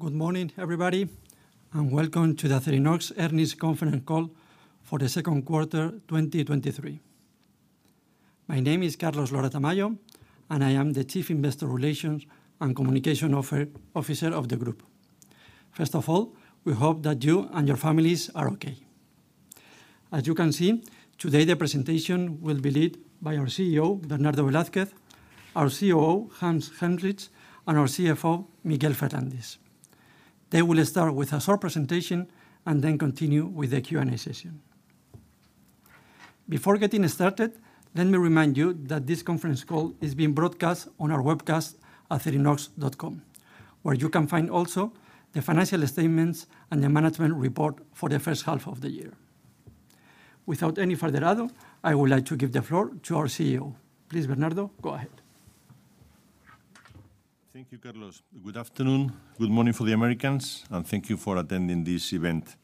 Good morning, everybody, welcome to the Acerinox Earnings Conference Call for the second quarter, 2023. My name is Carlos Lora-Tamayo, and I am the Chief Investor Relations and Communication Officer of the group. First of all, we hope that you and your families are okay. As you can see, today, the presentation will be led by our CEO, Bernardo Velázquez, our COO, Hans Helmrich, and our CFO, Miguel Ferrandis. They will start with a short presentation and then continue with the Q&A session. Before getting started, let me remind you that this conference call is being broadcast on our webcast at acerinox.com, where you can find also the financial statements and the management report for the first half of the year. Without any further ado, I would like to give the floor to our CEO. Please, Bernardo, go ahead. Thank you, Carlos. Good afternoon, good morning for the Americans, thank you for attending this event.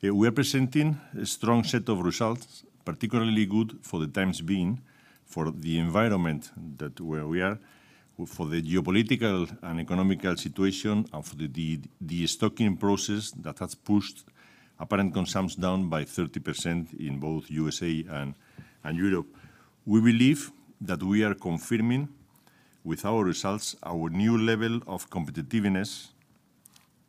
We are presenting a strong set of results, particularly good for the times being, for the environment that where we are, for the geopolitical and economical situation, and for the restocking process that has pushed apparent consumptions down by 30% in both USA and Europe. We believe that we are confirming, with our results, our new level of competitiveness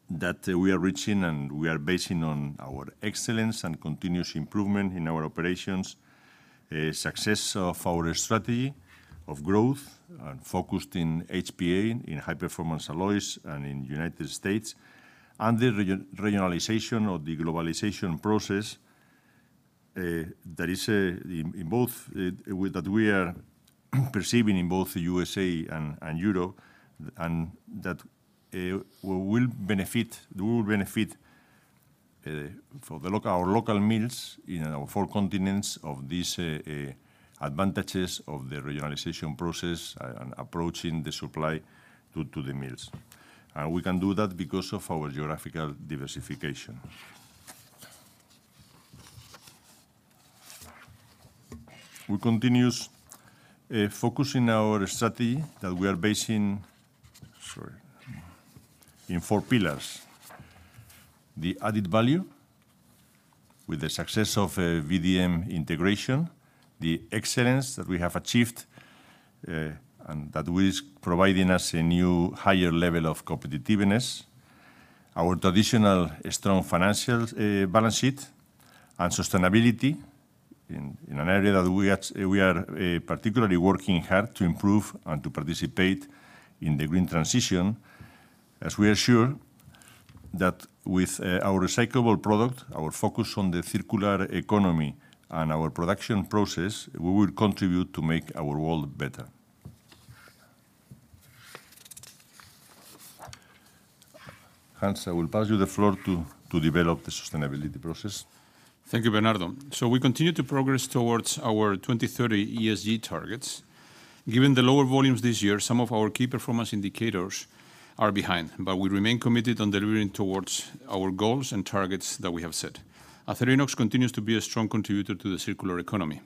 that we are reaching, and we are basing on our excellence and continuous improvement in our operations, success of our strategy of growth and focused in HPA, in high-performance alloys and in United States, and the regionalization of the globalization process, that is, in both, with that we are perceiving in both the USA and Europe, and that we will benefit for the local, our local mills in our four continents of this advantages of the regionalization process and approaching the supply to the mills. We can do that because of our geographical diversification. We continue focusing our strategy that we are basing, sorry, in four pillars: the added value, with the success of VDM integration, the excellence that we have achieved, and that is providing us a new, higher level of competitiveness, our traditional strong financial balance sheet, and sustainability in an area that we are particularly working hard to improve and to participate in the green transition. We are sure that with our recyclable product, our focus on the circular economy and our production process, we will contribute to make our world better. Hans, I will pass you the floor to develop the sustainability process. Thank you, Bernardo. We continue to progress towards our 2030 ESG targets. Given the lower volumes this year, some of our key performance indicators are behind, but we remain committed on delivering towards our goals and targets that we have set. Acerinox continues to be a strong contributor to the circular economy.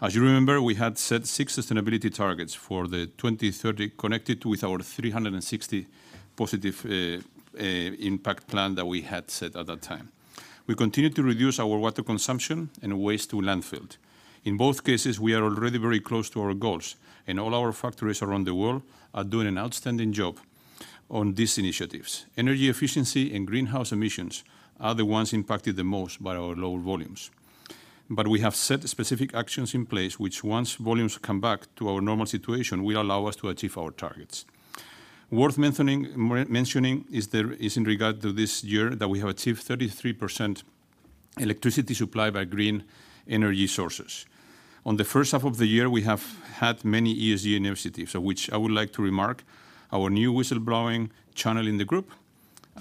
As you remember, we had set six sustainability targets for the 2030, connected with our 360 Positive Impact plan that we had set at that time. We continued to reduce our water consumption and waste to landfill. In both cases, we are already very close to our goals, and all our factories around the world are doing an outstanding job on these initiatives. Energy efficiency and greenhouse emissions are the ones impacted the most by our lower volumes. We have set specific actions in place, which, once volumes come back to our normal situation, will allow us to achieve our targets. Worth mentioning in regard to this year, that we have achieved 33% electricity supply by green energy sources. On the first half of the year, we have had many ESG initiatives, of which I would like to remark: our new whistleblowing channel in the group,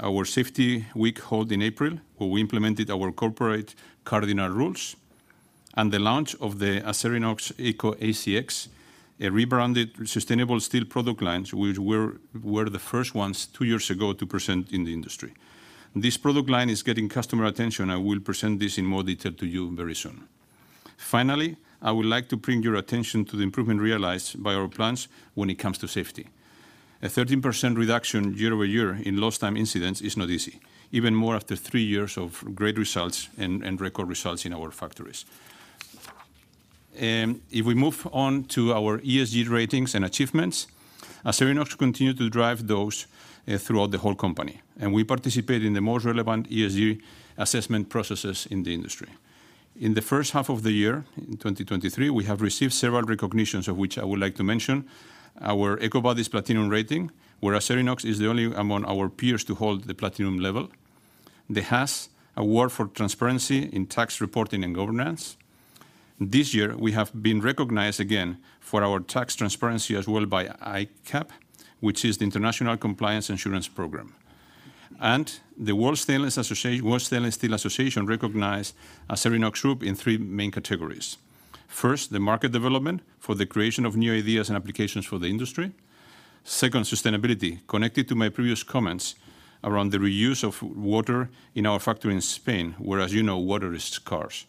our safety week held in April, where we implemented our corporate cardinal rules, and the launch of the Acerinox EcoACX, a rebranded sustainable steel product line, which we're the first ones two years ago to present in the industry. This product line is getting customer attention. I will present this in more detail to you very soon. Finally, I would like to bring your attention to the improvement realized by our plants when it comes to safety. A 13% reduction year-over-year in lost time incidents is not easy, even more after three years of great results and record results in our factories. If we move on to our ESG ratings and achievements, Acerinox continued to drive those throughout the whole company, and we participate in the most relevant ESG assessment processes in the industry. In the first half of the year, in 2023, we have received several recognitions, of which I would like to mention our EcoVadis Platinum rating, where Acerinox is the only among our peers to hold the Platinum level. The Haz Award for transparency in tax reporting and governance. This year, we have been recognized again for our tax transparency as well by ICAP, which is the International Compliance Assurance Programme. The World Stainless Association recognized Acerinox group in three main categories. First, the market development for the creation of new ideas and applications for the industry. Second, sustainability, connected to my previous comments around the reuse of water in our factory in Spain, where, as you know, water is scarce.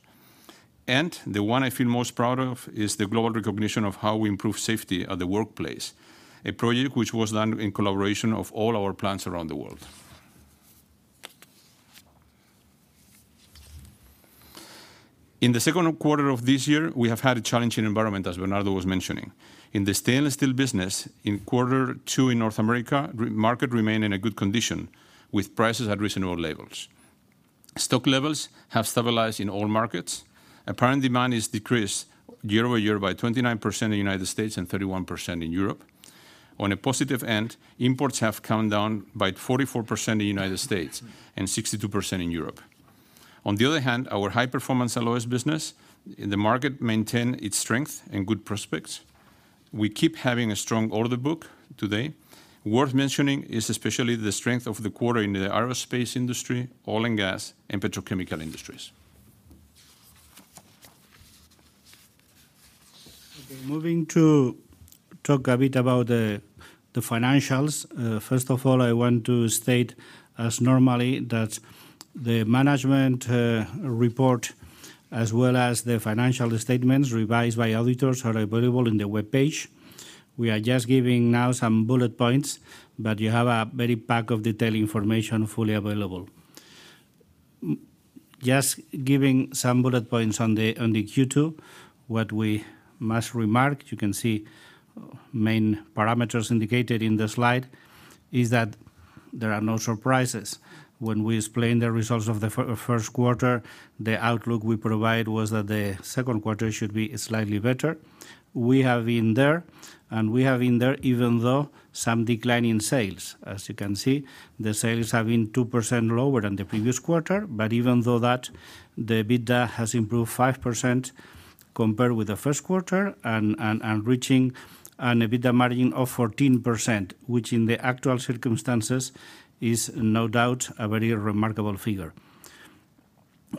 The one I feel most proud of is the global recognition of how we improve safety at the workplace, a project which was done in collaboration of all our plants around the world. In the second quarter of this year, we have had a challenging environment, as Bernardo Velázquez was mentioning. In the stainless steel business, in quarter two in North America, market remained in a good condition, with prices at reasonable levels. Stock levels have stabilized in all markets. Apparent demand is decreased year-over-year by 29% in the United States and 31% in Europe. A positive end, imports have come down by 44% in the United States and 62% in Europe. The other hand, our high-performance alloys business, the market maintained its strength and good prospects. We keep having a strong order book today. Worth mentioning is especially the strength of the quarter in the aerospace industry, oil and gas, and petrochemical industries. Moving to talk a bit about the financials. First of all, I want to state as normally, that the management report, as well as the financial statements revised by auditors, are available on the webpage. We are just giving now some bullet points, but you have a very pack of detailed information fully available. Just giving some bullet points on the, on the Q2, what we must remark, you can see main parameters indicated in the slide, is that there are no surprises. When we explain the results of the first quarter, the outlook we provide was that the second quarter should be slightly better. We have been there, and we have been there even though some decline in sales. As you can see, the sales have been 2% lower than the previous quarter. Even though that, the EBITDA has improved 5% compared with the first quarter and reaching an EBITDA margin of 14%, which in the actual circumstances is no doubt a very remarkable figure.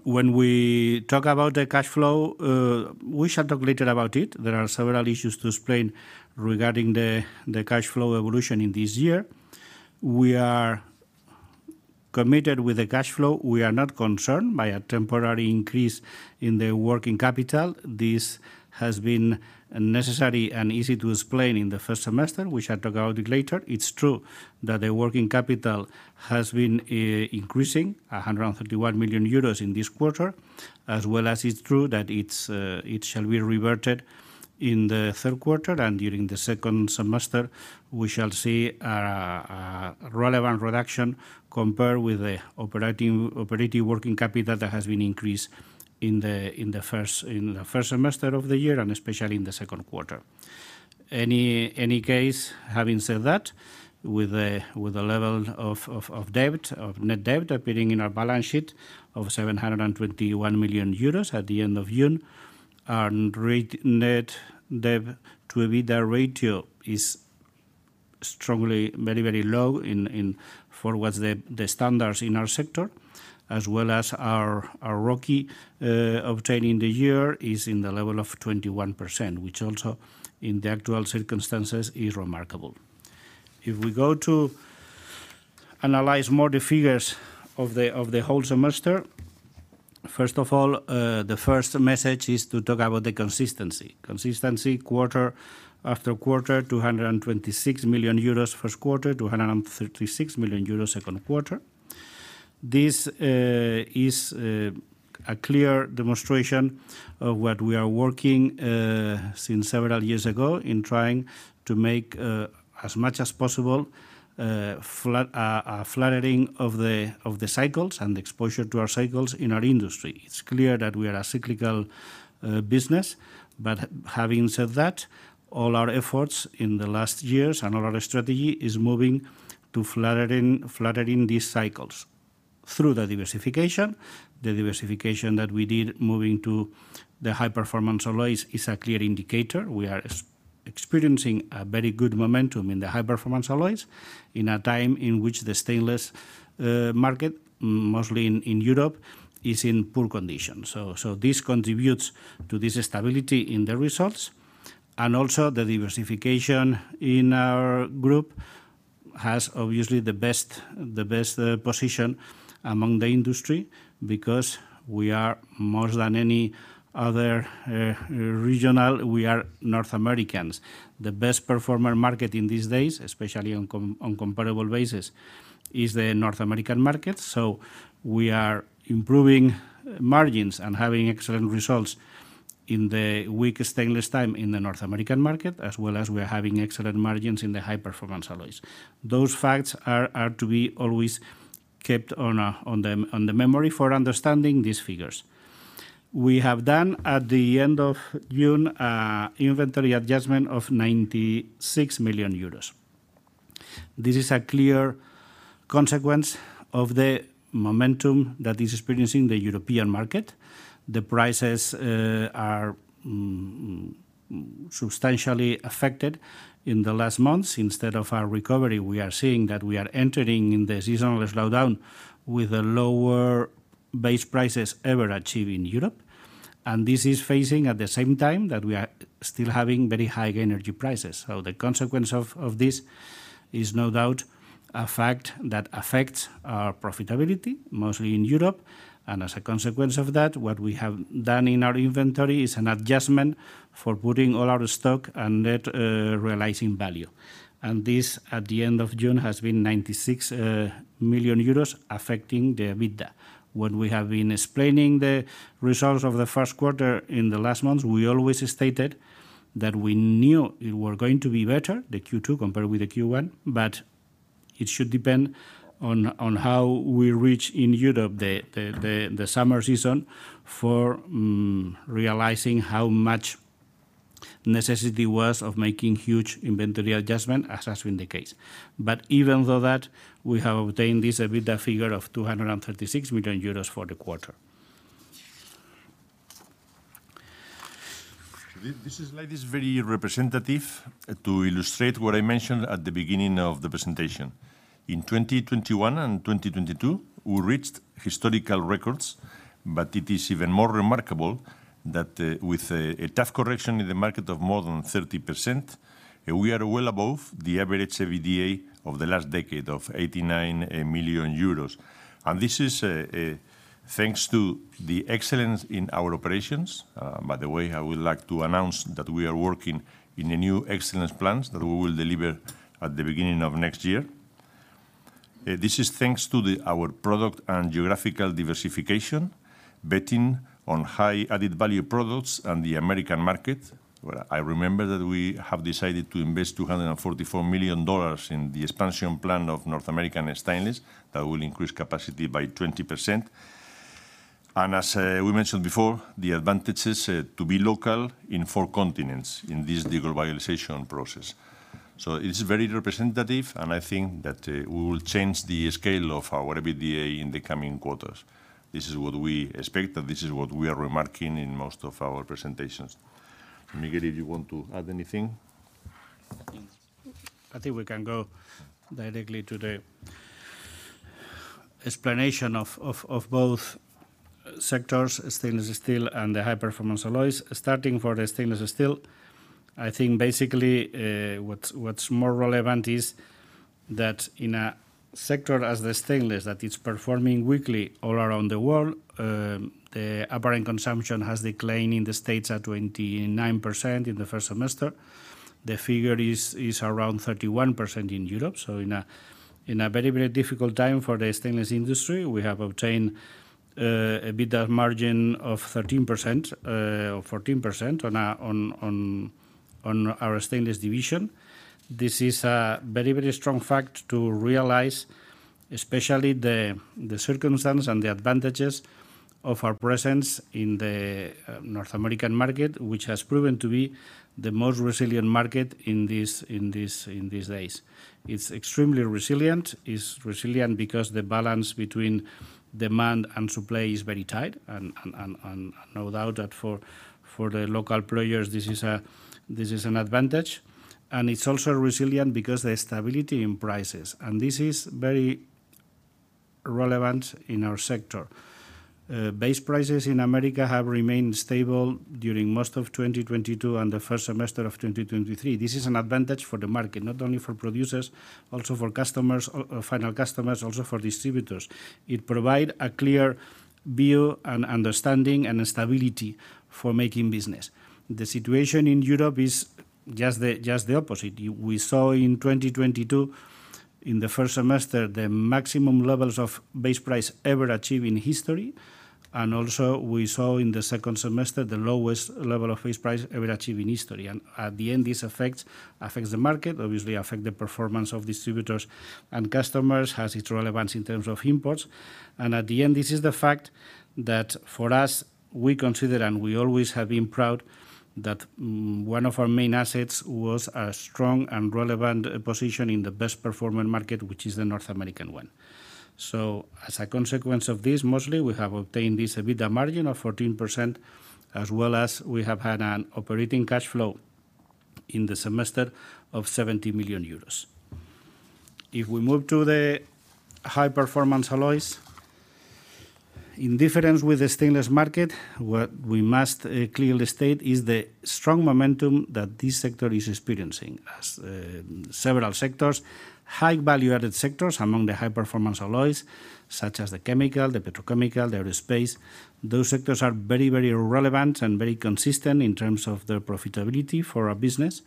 When we talk about the cash flow, we shall talk later about it. There are several issues to explain regarding the cash flow evolution in this year. We are committed with the cash flow. We are not concerned by a temporary increase in the working capital. This has been necessary and easy to explain in the first semester. We shall talk about it later. It's true that the working capital has been increasing, 151,000,000 euros in this quarter, as well as it's true that it shall be reverted in the third quarter. During the second semester, we shall see a relevant reduction compared with the operating working capital that has been increased in the first semester of the year, and especially in the second quarter. Any case, having said that, with a level of debt, of net debt appearing in our balance sheet of 721,000,000 euros at the end of June, our net debt to EBITDA ratio is strongly very low for what's the standards in our sector, as well as our ROCE obtained in the year is in the level of 21%, which also, in the actual circumstances, is remarkable. If we go to analyze more the figures of the whole semester. First of all, the first message is to talk about the consistency. Consistency, quarter after quarter, 226,000,000 euros first quarter, 236,000,000 euros second quarter. This is a clear demonstration of what we are working since several years ago in trying to make as much as possible flat, a flattening of the cycles and exposure to our cycles in our industry. It's clear that we are a cyclical business. Having said that, all our efforts in the last years and all our strategy is moving to flattening these cycles through the diversification. The diversification that we did, moving to the high-performance alloys is a clear indicator. We are experiencing a very good momentum in the high-performance alloys in a time in which the stainless market mostly in Europe is in poor condition. This contributes to this stability in the results, and also the diversification in our group has obviously the best position among the industry because we are more than any other regional, we are North Americans. The best performer market in these days, especially on comparable basis, is the North American market. We are improving margins and having excellent results in the weak stainless time in the North American market, as well as we are having excellent margins in the high-performance alloys. Those facts are to be always kept on the memory for understanding these figures. We have done, at the end of June, a inventory adjustment of 96,000,000 euros. This is a clear consequence of the momentum that is experiencing the European market. The prices are substantially affected in the last months. Instead of a recovery, we are seeing that we are entering in the seasonal slowdown with a lower base prices ever achieved in Europe. This is facing, at the same time, that we are still having very high energy prices. The consequence of this is no doubt a fact that affects our profitability, mostly in Europe. As a consequence of that, what we have done in our inventory is an adjustment for putting all our stock and net realizable value. This, at the end of June, has been 96,000,000 euros affecting the EBITDA. We have been explaining the results of the first quarter in the last months, we always stated that we knew it were going to be better, the Q2 compared with the Q1, but it should depend on how we reach in Europe the summer season for realizing how much necessity was of making huge inventory adjustment, as has been the case. Even though that, we have obtained this EBITDA figure of EUR 236for the quarter. This slide is very representative to illustrate what I mentioned at the beginning of the presentation. In 2021 and 2022, we reached historical records. It is even more remarkable that, with a tough correction in the market of more than 30%, we are well above the average EBITDA of the last decade of 89,000,000 euros. This is thanks to the excellence in our operations. By the way, I would like to announce that we are working in the new excellence plans that we will deliver at the beginning of next year. This is thanks to our product and geographical diversification, betting on high added-value products and the American market, where I remember that we have decided to invest $244,000,000 in the expansion plan of North American Stainless. That will increase capacity by 20%. As we mentioned before, the advantages to be local in four continents in this deglobalization process. It is very representative, and I think that we will change the scale of our EBITDA in the coming quarters. This is what we expect. This is what we are remarking in most of our presentations. Miguel, if you want to add anything? I think we can go directly to the explanation of both sectors, stainless steel and the high-performance alloys. Starting for the stainless steel, I think basically, what's more relevant is that in a sector as the stainless, that it's performing weakly all around the world, the apparent consumption has declined in the States at 29% in the 1st semester. The figure is around 31% in Europe. In a very, very difficult time for the stainless industry, we have obtained a EBITDA margin of 13%, or 14% on our stainless division. This is a very, very strong fact to realize, especially the circumstance and the advantages of our presence in the North American market, which has proven to be the most resilient market in these days. It's extremely resilient. It's resilient because the balance between demand and supply is very tight, and no doubt that for the local players, this is an advantage. It's also resilient because the stability in prices, This is very relevant in our sector. Base prices in America have remained stable during most of 2022 and the first semester of 2023. This is an advantage for the market, not only for producers, also for customers, or final customers, also for distributors. It provide a clear view and understanding and stability for making business. The situation in Europe is just the opposite. We saw in 2022, in the first semester, the maximum levels of base price ever achieved in history, Also we saw in the second semester, the lowest level of base price ever achieved in history. At the end, this affects the market, obviously affect the performance of distributors and customers, has its relevance in terms of imports. At the end, this is the fact that for us, we consider, and we always have been proud, that one of our main assets was a strong and relevant position in the best performing market, which is the North American one. As a consequence of this, mostly, we have obtained this EBITDA margin of 14%, as well as we have had an operating cash flow in the semester of 70,000,000 euros. If we move to the high-performance alloys, in difference with the stainless market, what we must clearly state is the strong momentum that this sector is experiencing. Several sectors, high value-added sectors among the high-performance alloys, such as the chemical, the petrochemical, the aerospace, those sectors are very, very relevant and very consistent in terms of their profitability for our business.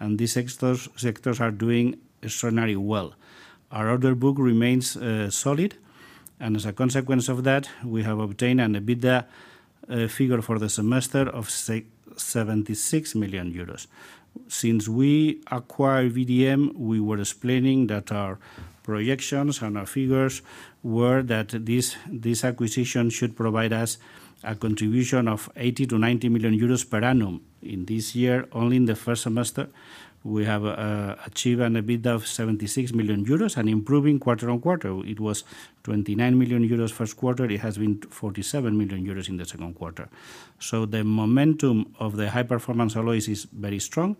These sectors are doing extraordinarily well. Our order book remains solid. As a consequence of that, we have obtained an EBITDA figure for the semester of 76,000,000 euros. Since we acquired VDM, we were explaining that our projections and our figures were that this acquisition should provide us a contribution of 80,000,000-90,000,000 euros per annum. In this year, only in the first semester, we have achieved an EBITDA of 76,000,000 euros and improving quarter-on-quarter. It was 29,000,000 euros first quarter, it has been 47,000,000 euros in the second quarter. The momentum of the high-performance alloys is very strong,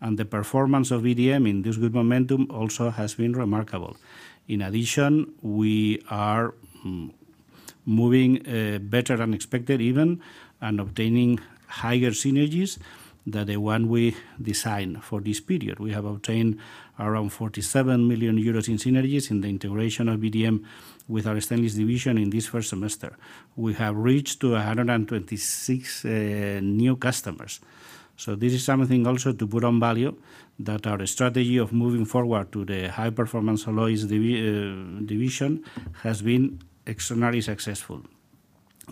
and the performance of VDM in this good momentum also has been remarkable. In addition, we are moving better than expected even, and obtaining higher synergies than the one we designed for this period. We have obtained around 47,000,000 euros in synergies in the integration of VDM with our Stainless division in this first semester. We have reached to 126 new customers. This is something also to put on value, that our strategy of moving forward to the high-performance alloys division has been extraordinarily successful.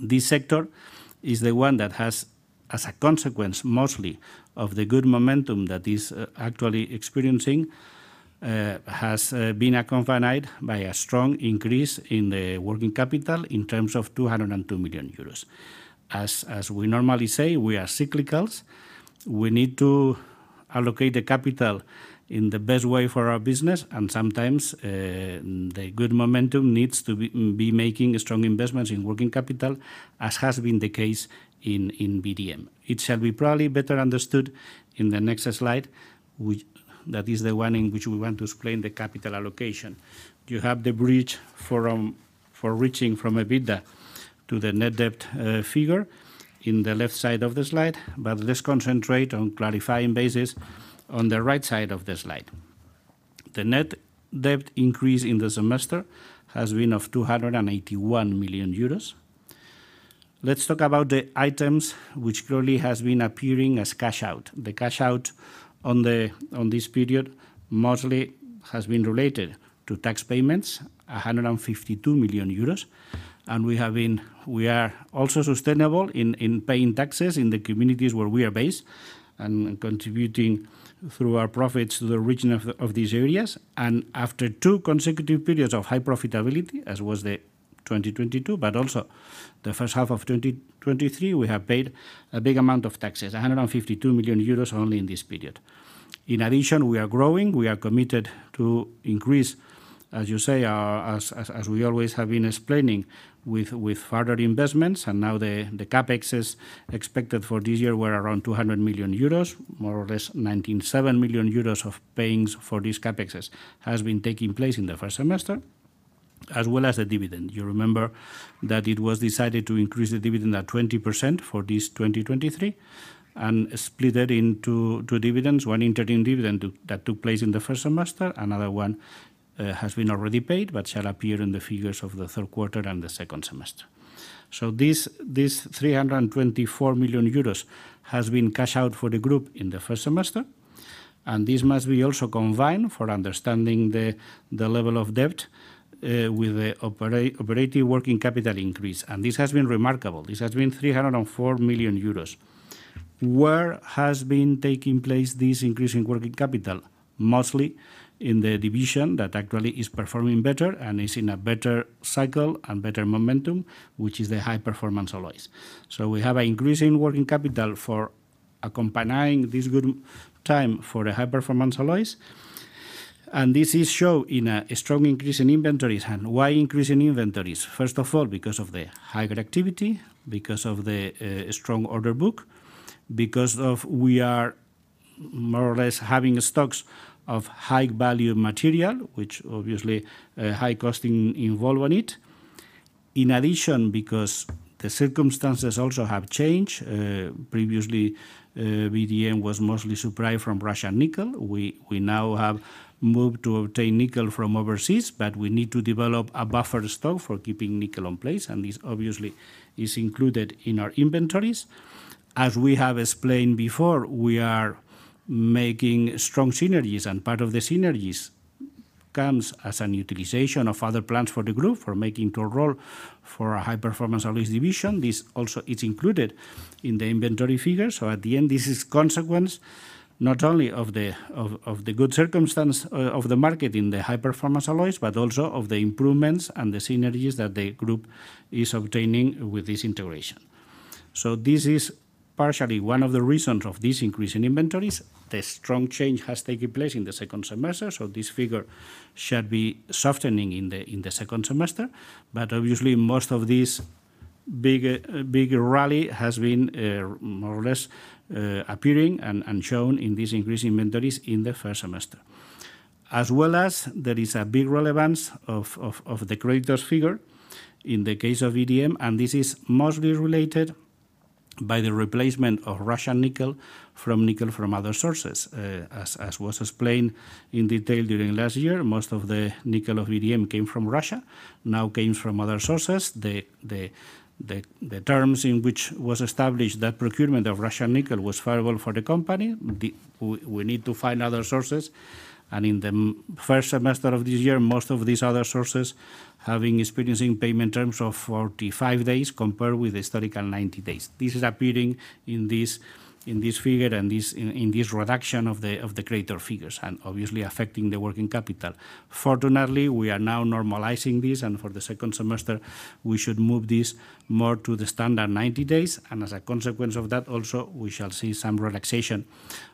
This sector is the one that has, as a consequence, mostly of the good momentum that is actually experiencing, has been accompanied by a strong increase in the working capital in terms of 202,000,000 euros. As we normally say, we are cyclicals. We need to allocate the capital in the best way for our business, and sometimes, the good momentum needs to be making strong investments in working capital, as has been the case in VDM. It shall be probably better understood in the next slide, that is the one in which we want to explain the capital allocation. You have the bridge from, for reaching from a EBITDA to the net debt figure in the left side of the slide, but let's concentrate on clarifying basis on the right side of the slide. The net debt increase in the semester has been of 281,000,000 euros. Let's talk about the items which clearly has been appearing as cash out. The cash out on the, on this period, mostly has been related to tax payments, 152,000,000 euros. We are also sustainable in paying taxes in the communities where we are based, and contributing through our profits to the region of these areas. After two consecutive periods of high profitability, as was the 2022, but also the first half of 2023, we have paid a big amount of taxes, 152,000,000 euros only in this period. In addition, we are growing. We are committed to increase, as you say, as we always have been explaining, with further investments. Now the CapExes expected for this year were around 200,000,000 euros. More or less, 97,000,000 euros of payments for these CapExes has been taking place in the first semester, as well as the dividend. You remember that it was decided to increase the dividend at 20% for this 2023, and split it into two dividends, one interim dividend that took place in the first semester. Another one has been already paid, shall appear in the figures of the third quarter and the second semester. This 324,000,000 euros has been cashed out for the group in the first semester, and this must be also combined for understanding the level of debt with the operating working capital increase. This has been remarkable. This has been 304,000,000 euros. Where has been taking place this increase in working capital? Mostly in the division that actually is performing better and is in a better cycle and better momentum, which is the high-performance alloys. We have an increase in working capital for accompanying this good time for the high-performance alloys, and this is shown in a strong increase in inventories. Why increase in inventories? First of all, because of the higher activity, because of the strong order book, because of we are more or less having stocks of high-value material, which obviously, a high cost involve on it. In addition, because the circumstances also have changed. Previously, VDM was mostly supplied from Russian nickel. We now have moved to obtain nickel from overseas, but we need to develop a buffer stock for keeping nickel in place, and this obviously is included in our inventories. As we have explained before, we are making strong synergies. Part of the synergies comes as an utilization of other plans for the group, for making control for a High-Performance Alloys Division. This also is included in the inventory figures. At the end, this is consequence not only of the good circumstance of the market in the high-performance alloys, but also of the improvements and the synergies that the group is obtaining with this integration. This is partially one of the reasons of this increase in inventories. The strong change has taken place in the second semester. This figure should be softening in the second semester. Obviously, most of this big big rally has been more or less appearing and shown in these increased inventories in the first semester. As well as there is a big relevance of the creditors figure in the case of VDM. This is mostly related by the replacement of Russian nickel from nickel from other sources. As was explained in detail during last year, most of the nickel of VDM came from Russia, now comes from other sources. The terms in which was established that procurement of Russian nickel was favorable for the company. We need to find other sources, and in the first semester of this year, most of these other sources having experiencing payment terms of 45 days, compared with the historical 90 days. This is appearing in this figure and this reduction of the creditor figures and obviously affecting the working capital. Fortunately, we are now normalizing this. For the second semester, we should move this more to the standard 90 days, as a consequence of that, also, we shall see some relaxation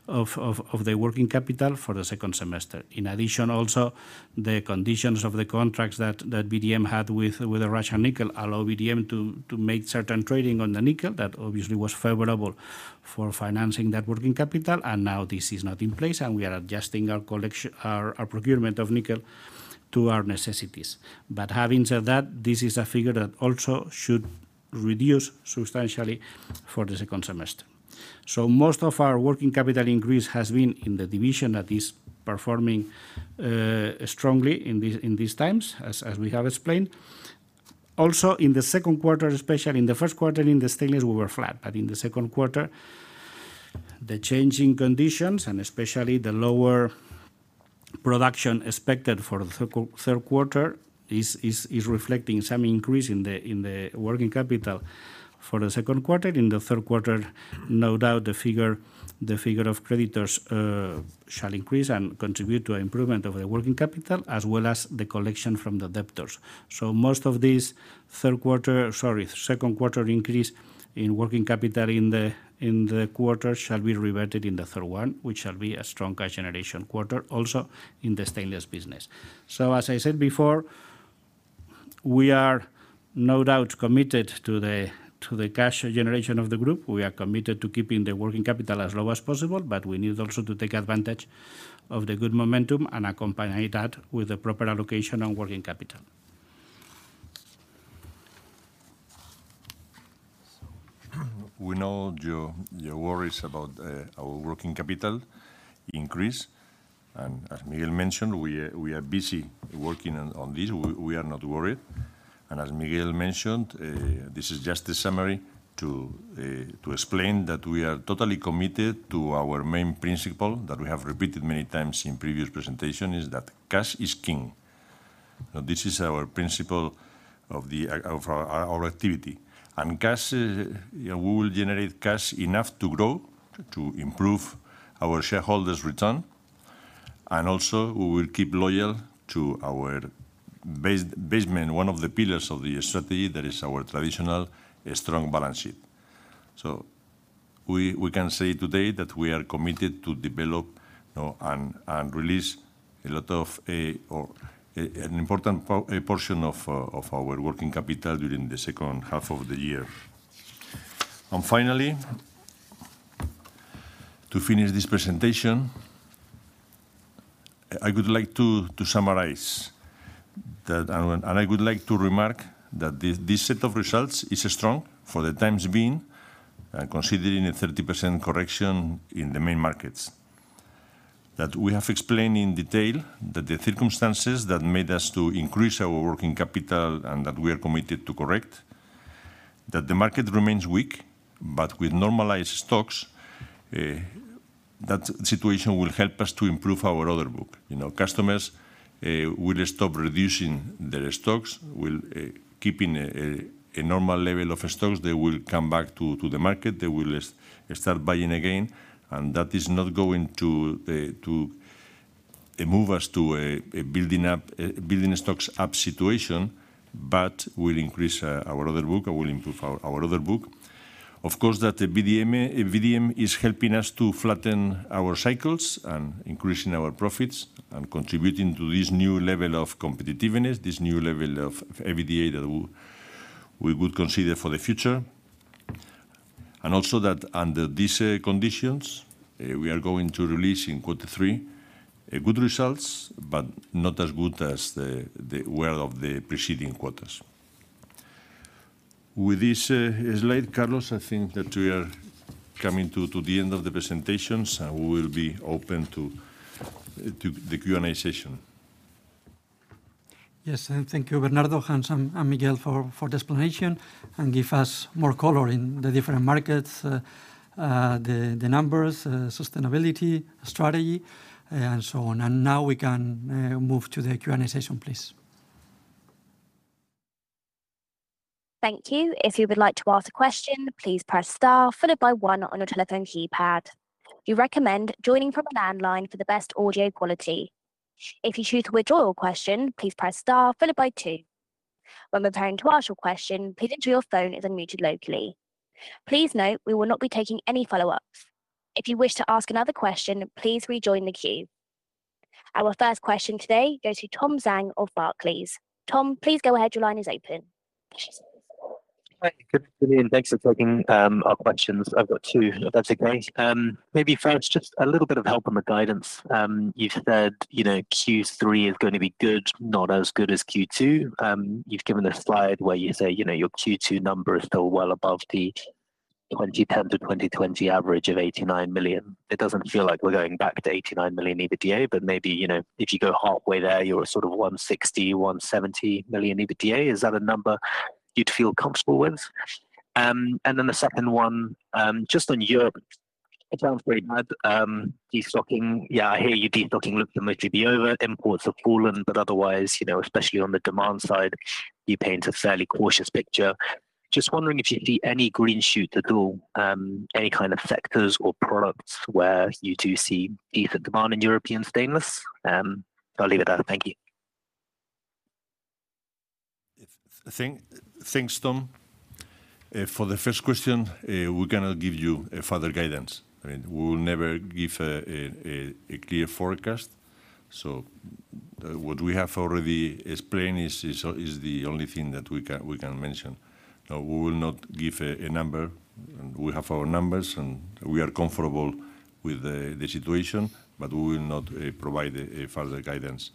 of the working capital for the second semester. In addition, also, the conditions of the contracts that VDM had with the Russian nickel allow VDM to make certain trading on the nickel that obviously was favorable for financing that working capital. Now this is not in place, we are adjusting our procurement of nickel to our necessities. Having said that, this is a figure that also should reduce substantially for the second semester. Most of our working capital increase has been in the division that is performing strongly in these times, as we have explained. In the second quarter, especially in the first quarter, in the stainless, we were flat. In the second quarter, the changing conditions, and especially the lower production expected for the third quarter, is reflecting some increase in the working capital for the second quarter. In the third quarter, no doubt, the figure of creditors shall increase and contribute to an improvement of the working capital, as well as the collection from the debtors. Most of these third quarter, sorry, second quarter increase in working capital in the quarter shall be reverted in the third one, which shall be a stronger generation quarter also in the stainless business. As I said before, we are no doubt committed to the cash generation of the group. We are committed to keeping the working capital as low as possible, but we need also to take advantage of the good momentum and accompany that with the proper allocation and working capital. We know your worries about our working capital increase, and as Miguel mentioned, we are busy working on this. We are not worried. As Miguel mentioned, this is just a summary to explain that we are totally committed to our main principle that we have repeated many times in previous presentation, is that cash is king. Now, this is our principle of our activity. Cash, we will generate cash enough to grow, to improve our shareholders' return, and also we will keep loyal to our basement, one of the pillars of the strategy that is our traditional strong balance sheet. We can say today that we are committed to develop, you know, and release a lot of, or an important portion of our working capital during the second half of the year. Finally, to finish this presentation, I would like to summarize that. And I would like to remark that this set of results is strong for the times being, considering a 30% correction in the main markets. We have explained in detail that the circumstances that made us to increase our working capital and that we are committed to correct, that the market remains weak, but with normalized stocks, that situation will help us to improve our order book. You know, customers will stop reducing their stocks, will keeping a normal level of stocks. They will come back to the market, they will start buying again, and that is not going to to move us to a building stocks up situation, but will increase our order book, or will improve our order book. Of course, that the VDM is helping us to flatten our cycles and increasing our profits, and contributing to this new level of competitiveness, this new level of EBITDA that we would consider for the future. Under these conditions, we are going to release in quarter three, a good results, but not as good as the well of the preceding quarters. With this slide, Carlos, I think that we are coming to the end of the presentations, and we will be open to the Q&A session. Yes, thank you, Bernardo, Hans, and Miguel, for the explanation, and give us more color in the different markets, the numbers, sustainability, strategy, and so on. Now we can move to the Q&A session, please. Thank you. If you would like to ask a question, please press star followed by 1 on your telephone keypad. We recommend joining from a landline for the best audio quality. If you choose to withdraw your question, please press star followed by 2. When preparing to ask your question, please ensure your phone is unmuted locally. Please note, we will not be taking any follow-ups. If you wish to ask another question, please rejoin the queue. Our first question today goes to Tom Zhang of Barclays. Tom, please go ahead. Your line is open. Hi, good, thanks for taking our questions. I've got two, if that's okay. Maybe first, just a little bit of help on the guidance. You've said, you know, Q3 is going to be good, not as good as Q2. You've given a slide where you say, you know, your Q2 number is still well above the 2010-2020 average of 89,000,000. It doesn't feel like we're going to back to 89,000,000 EBITDA, but maybe, you know, if you go halfway there, you're sort of 160,000,000, 170,000,000 EBITDA. Is that a number you'd feel comfortable with? Then the second one, just on Europe, it sounds very bad. Destocking, yeah, I hear you, destocking look to mostly be over. Imports have fallen, otherwise, you know, especially on the demand side, you paint a fairly cautious picture. Just wondering if you see any green shoots at all, any kind of sectors or products where you do see ether demand in European stainless? I'll leave it there. Thank you. Thanks, Tom. For the first question, we cannot give you a further guidance. I mean, we will never give a clear forecast. What we have already explained is the only thing that we can mention. We will not give a number. We have our numbers, and we are comfortable with the situation. We will not provide a further guidance.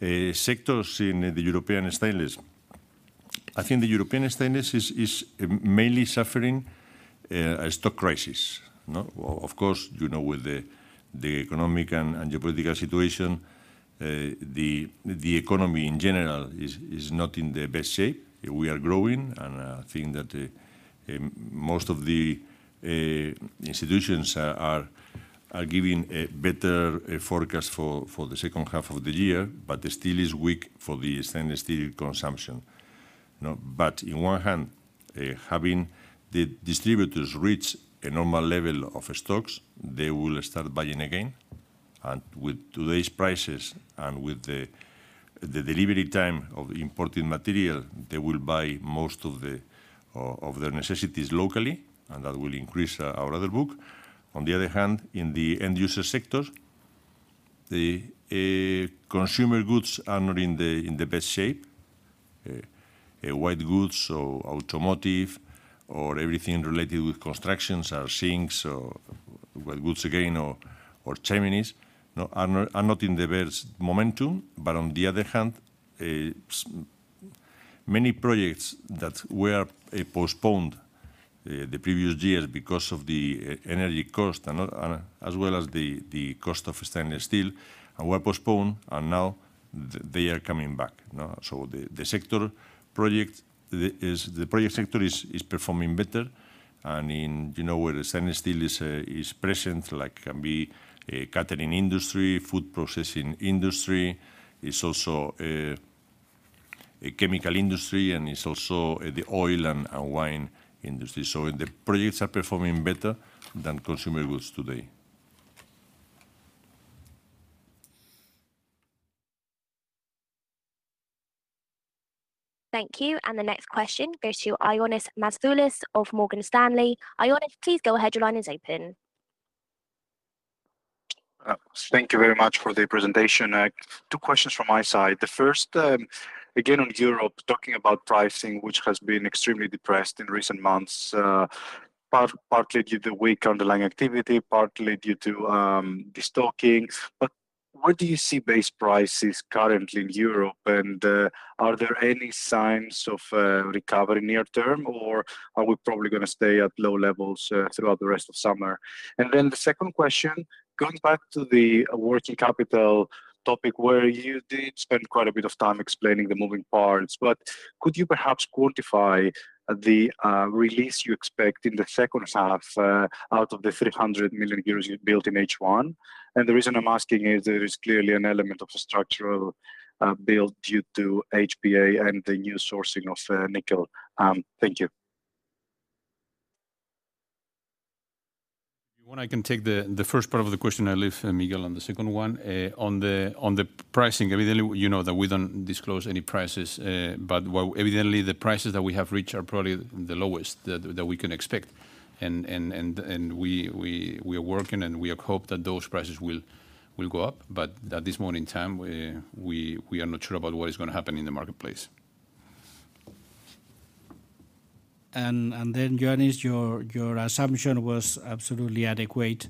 Sectors in the European stainless. I think the European stainless is mainly suffering a stock crisis, no? Well, of course, you know, with the economic and geopolitical situation, the economy in general is not in the best shape. We are growing, I think that most of the institutions are giving a better forecast for the second half of the year, but the steel is weak for the stainless steel consumption, you know? In one hand, having the distributors reach a normal level of stocks, they will start buying again. With today's prices and with the delivery time of imported material, they will buy most of their necessities locally, that will increase our order book. On the other hand, in the end user sectors, the consumer goods are not in the best shape. White goods or automotive or everything related with constructions or sinks or white goods again, or chimneys, no, are not in the best momentum. On the other hand, many projects that were postponed the previous years because of the energy cost and as well as the cost of stainless steel, and were postponed, and now they are coming back. No? The project sector is performing better. In, you know, where the stainless steel is present, like can be a catering industry, food processing industry. It's also a chemical industry, and it's also the oil and wine industry. The projects are performing better than consumer goods today. Thank you. The next question goes to Ioannis Masvoulas of Morgan Stanley. Ioannis, please go ahead. Your line is open. Thank you very much for the presentation. Two questions from my side. The first, again, on Europe, talking about pricing, which has been extremely depressed in recent months, partly due to weak underlying activity, partly due to destocking. Where do you see base prices currently in Europe? Are there any signs of recovery near term, or are we probably gonna stay at low levels throughout the rest of summer? The second question, going back to the working capital topic, where you did spend quite a bit of time explaining the moving parts, but could you perhaps quantify the release you expect in the second half out of the 300,000,000 euros you built in H1? The reason I'm asking is there is clearly an element of structural build due to HBA and the new sourcing of nickel. Thank you. If you want, I can take the first part of the question, I leave Miguel on the second one. On the pricing, evidently, you know that we don't disclose any prices, but well, evidently, the prices that we have reached are probably the lowest that we can expect. We are working, and we have hoped that those prices will go up, but at this point in time, we are not sure about what is gonna happen in the marketplace. Then, Ioannis, your assumption was absolutely adequate.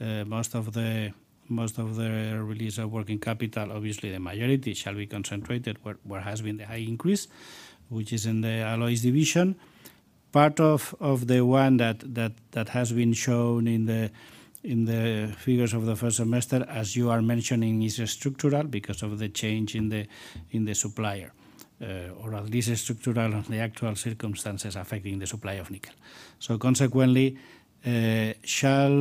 Most of the release of working capital, obviously, the majority shall be concentrated where has been the high increase, which is in the alloys division. Part of the one that has been shown in the figures of the first semester, as you are mentioning, is structural because of the change in the supplier, or at least structural of the actual circumstances affecting the supply of nickel. Consequently, shall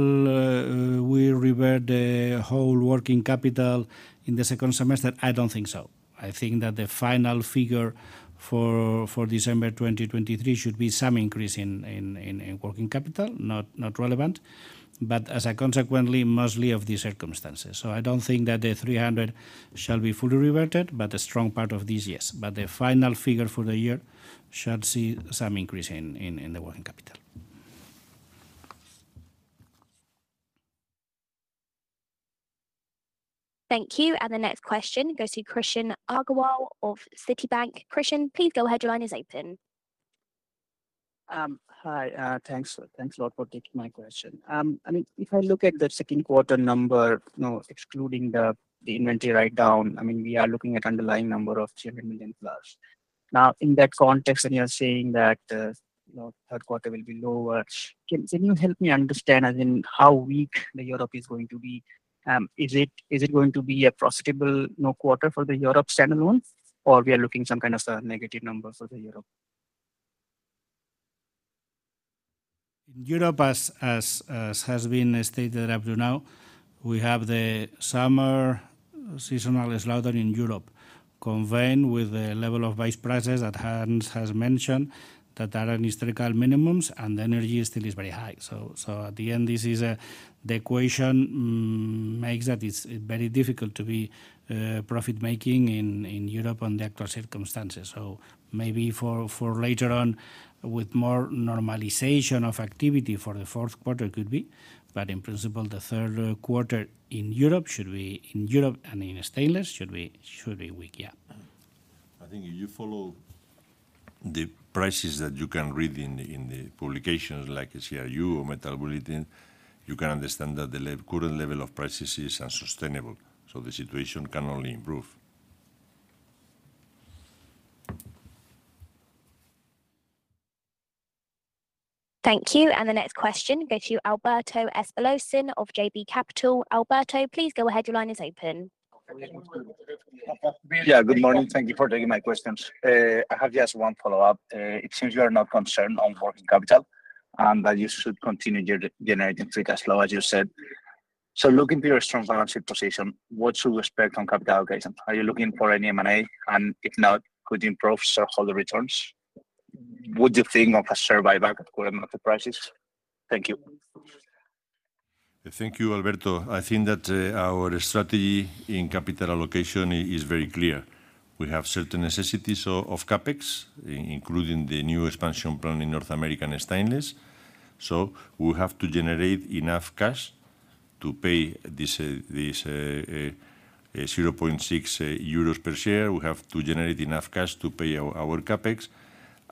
we revert the whole working capital in the second semester? I don't think so. I think that the final figure for December 2023 should be some increase in working capital, not relevant, but consequently, mostly of the circumstances. I don't think that the 300 shall be fully reverted, but a strong part of this, yes. The final figure for the year should see some increase in the working capital. Thank you. The next question goes to Krishan Agarwal of Citi. Krishan, please go ahead. Your line is open. Hi. Thanks a lot for taking my question. I mean, if I look at the second quarter number, you know, excluding the inventory write down, I mean, we are looking at underlying number of 300,000,000 plus. Now, in that context, you are saying that, you know, third quarter will be lower, can you help me understand as in how weak Europe is going to be? Is it going to be a profitable, you know, quarter for Europe standalone, or are we looking some kind of negative numbers for Europe? In Europe, as has been stated up to now, we have the summer seasonal slowdown in Europe, combined with the level of base prices that Hans has mentioned, that are on historical minimums, and the energy still is very high. At the end, the equation makes that it's very difficult to be profit-making in Europe on the actual circumstances. Maybe for later on, with more normalization of activity for the fourth quarter, could be, but in principle, the third quarter in Europe should be, in Europe and in stainless, should be weak.... I think if you follow the prices that you can read in the, in the publications like CRU or Metal Bulletin, you can understand that the current level of prices is unsustainable. The situation can only improve. Thank you. The next question goes to Alberto Espelosín of JB Capital. Alberto, please go ahead. Your line is open. Yeah, good morning. Thank you for taking my questions. I have just one follow-up. It seems you are not concerned on working capital, and that you should continue your generating free cash flow, as you said. Looking to your strong financial position, what should we expect on capital allocation? Are you looking for any M&A? If not, could you improve shareholder returns? Would you think of a share buyback current market prices? Thank you. Thank you, Alberto. I think that our strategy in capital allocation is very clear. We have certain necessities of CapEx, including the new expansion plan in North American Stainless. We have to generate enough cash to pay this 0.6 euros per share. We have to generate enough cash to pay our CapEx,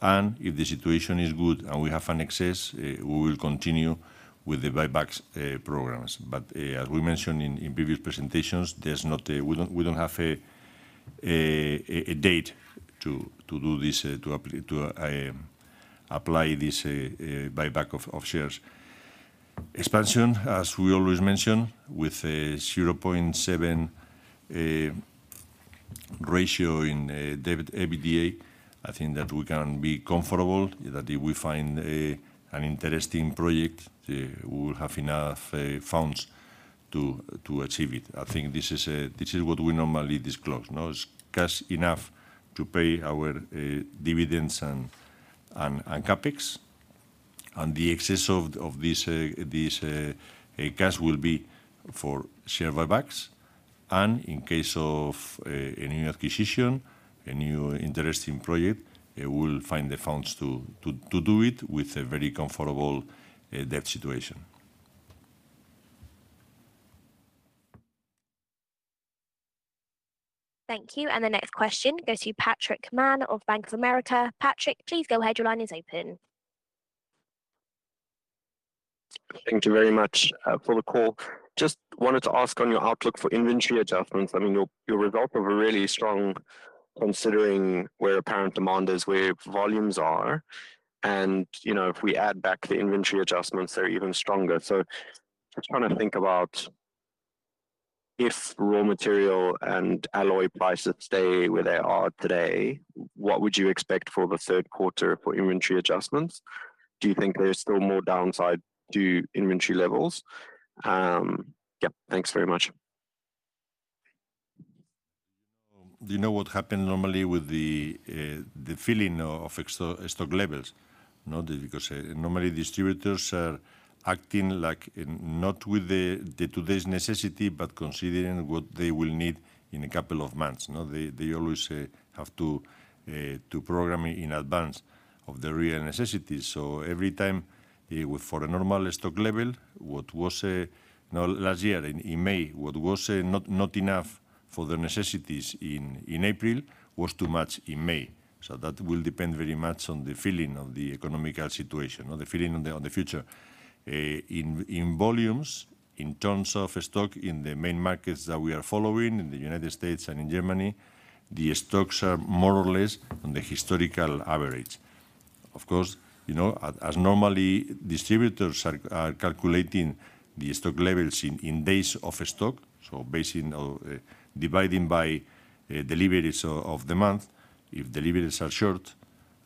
if the situation is good and we have an excess, we will continue with the buybacks programs. As we mentioned in previous presentations, we don't have a date to do this to apply this buyback of shares. Expansion, as we always mention, with a 0.7 ratio in debt EBITDA, I think that we can be comfortable that if we find an interesting project, we will have enough funds to achieve it. I think this is what we normally disclose, no? It's cash enough to pay our dividends and CapEx. The excess of this cash will be for share buybacks, and in case of any acquisition, any new interesting project, we will find the funds to do it with a very comfortable debt situation. Thank you. The next question goes to Patrick Mann of Bank of America. Patrick, please go ahead. Your line is open. Thank you very much for the call. Just wanted to ask on your outlook for inventory adjustments. I mean, your results were really strong considering where apparent demand is, where volumes are, and, you know, if we add back the inventory adjustments, they're even stronger. I'm just trying to think about if raw material and alloy prices stay where they are today, what would you expect for the third quarter for inventory adjustments? Do you think there's still more downside to inventory levels? Yep. Thanks very much. You know what happen normally with the filling of stock levels, no? Normally distributors are acting like not with the today's necessity, but considering what they will need in a couple of months, no? They always have to program in advance of the real necessities. Every time for a normal stock level, what was. Now, last year in May, what was not enough for the necessities in April was too much in May. That will depend very much on the feeling of the economical situation or the feeling on the future. In volumes, in terms of stock in the main markets that we are following, in the United States and in Germany, the stocks are more or less on the historical average. Of course, you know, as normally distributors are calculating the stock levels in days of stock, so based on dividing by deliveries of the month, if deliveries are short,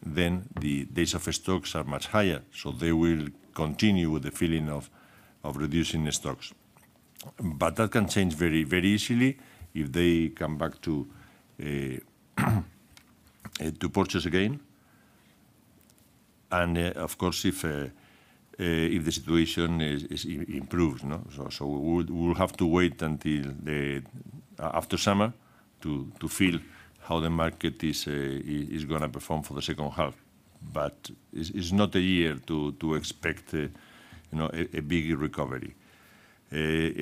then the days of stocks are much higher, so they will continue with the feeling of reducing the stocks. That can change very, very easily if they come back to purchase again, and of course, if the situation is improves, no? We'll have to wait until the after summer to feel how the market is gonna perform for the second half. It's not a year to expect a, you know, a big recovery.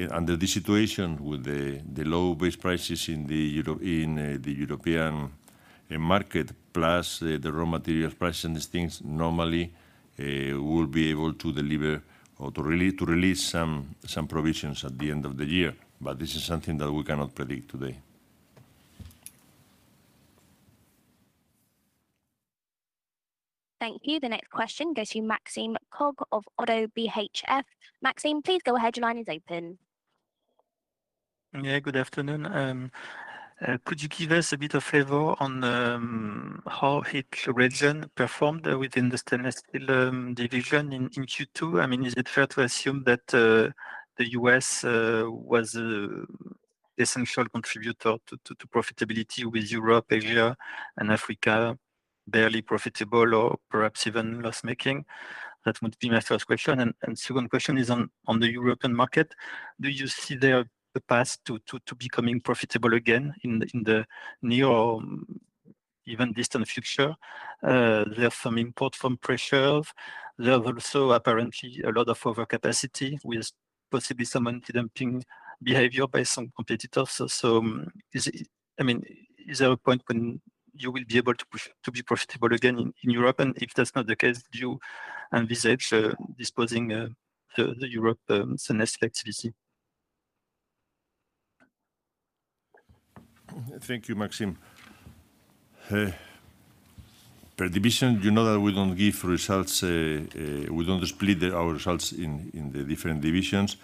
Under this situation with the low base prices in the European market, plus the raw material prices and these things, normally, we'll be able to deliver or to release some provisions at the end of the year. This is something that we cannot predict today. Thank you. The next question goes to Maxime Kogge of Oddo BHF. Maxime, please go ahead. Your line is open. Yeah, good afternoon. Could you give us a bit of flavor on how each region performed within the stainless steel division in Q2? I mean, is it fair to assume that the US was the essential contributor to profitability with Europe, Asia, and Africa barely profitable or perhaps even loss-making? That would be my first question. Second question is on the European market: Do you see there a path to becoming profitable again in the near or even distant future? There are some import from pressures. There are also apparently a lot of overcapacity possibly some anti-dumping behavior by some competitors. is it, I mean, is there a point when you will be able to be profitable again in Europe? If that's not the case, do you envisage disposing, the Europe stainless activity? Thank you, Maxime. Per division, you know that we don't give results, we don't split our results in the different divisions.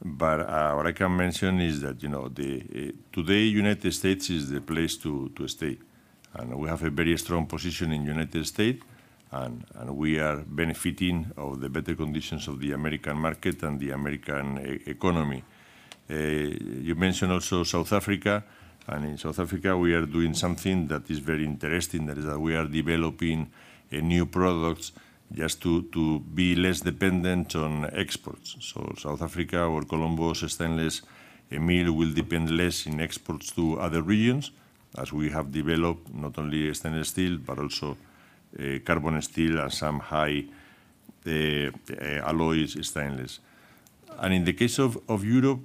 What I can mention is that, you know, today, United States is the place to stay. We have a very strong position in United States, and we are benefiting of the better conditions of the American market and the American e-economy. You mentioned also South Africa, in South Africa we are doing something that is very interesting, that is that we are developing new products just to be less dependent on exports. South Africa, or Columbus Stainless, Emil will depend less in exports to other regions, as we have developed not only stainless steel, but also carbon steel and some high alloys stainless. In the case of Europe,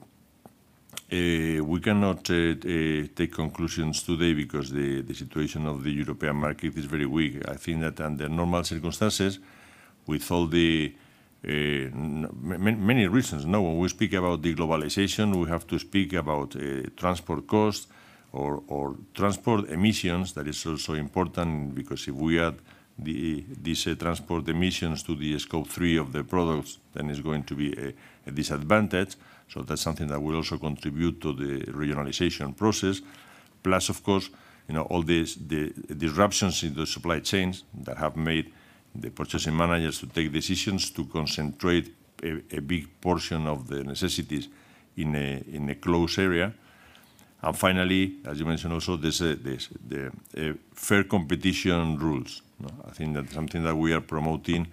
we cannot take conclusions today because the situation of the European market is very weak. I think that under normal circumstances, with all the many reasons. When we speak about the globalization, we have to speak about transport costs or transport emissions. That is also important, because if we add these transport emissions to the scope three of the products, then it's going to be a disadvantage. That's something that will also contribute to the regionalization process. Plus, of course, you know, all these disruptions in the supply chains that have made the purchasing managers to take decisions to concentrate a big portion of the necessities in a close area. Finally, as you mentioned also, there's the fair competition rules, no? I think that's something that we are promoting,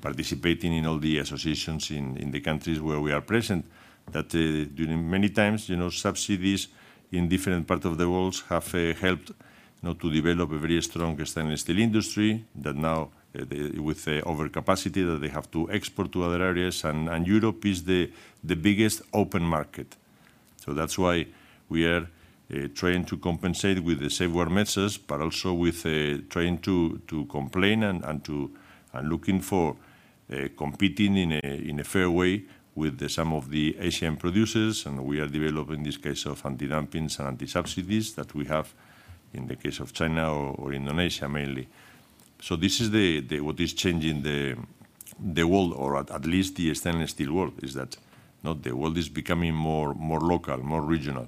participating in all the associations in the countries where we are present, that, during many times, you know, subsidies in different parts of the world have helped, you know, to develop a very strong stainless steel industry, that now, with the overcapacity that they have to export to other areas, and Europe is the biggest open market. That's why we are trying to compensate with the safer measures, but also with trying to complain and to and looking for competing in a fair way with some of the Asian producers. We are developing this case of anti-dumping and anti-subsidies that we have in the case of China or Indonesia mainly. This is the... What is changing the world, or at least the stainless steel world, is that, you know, the world is becoming more local, more regional,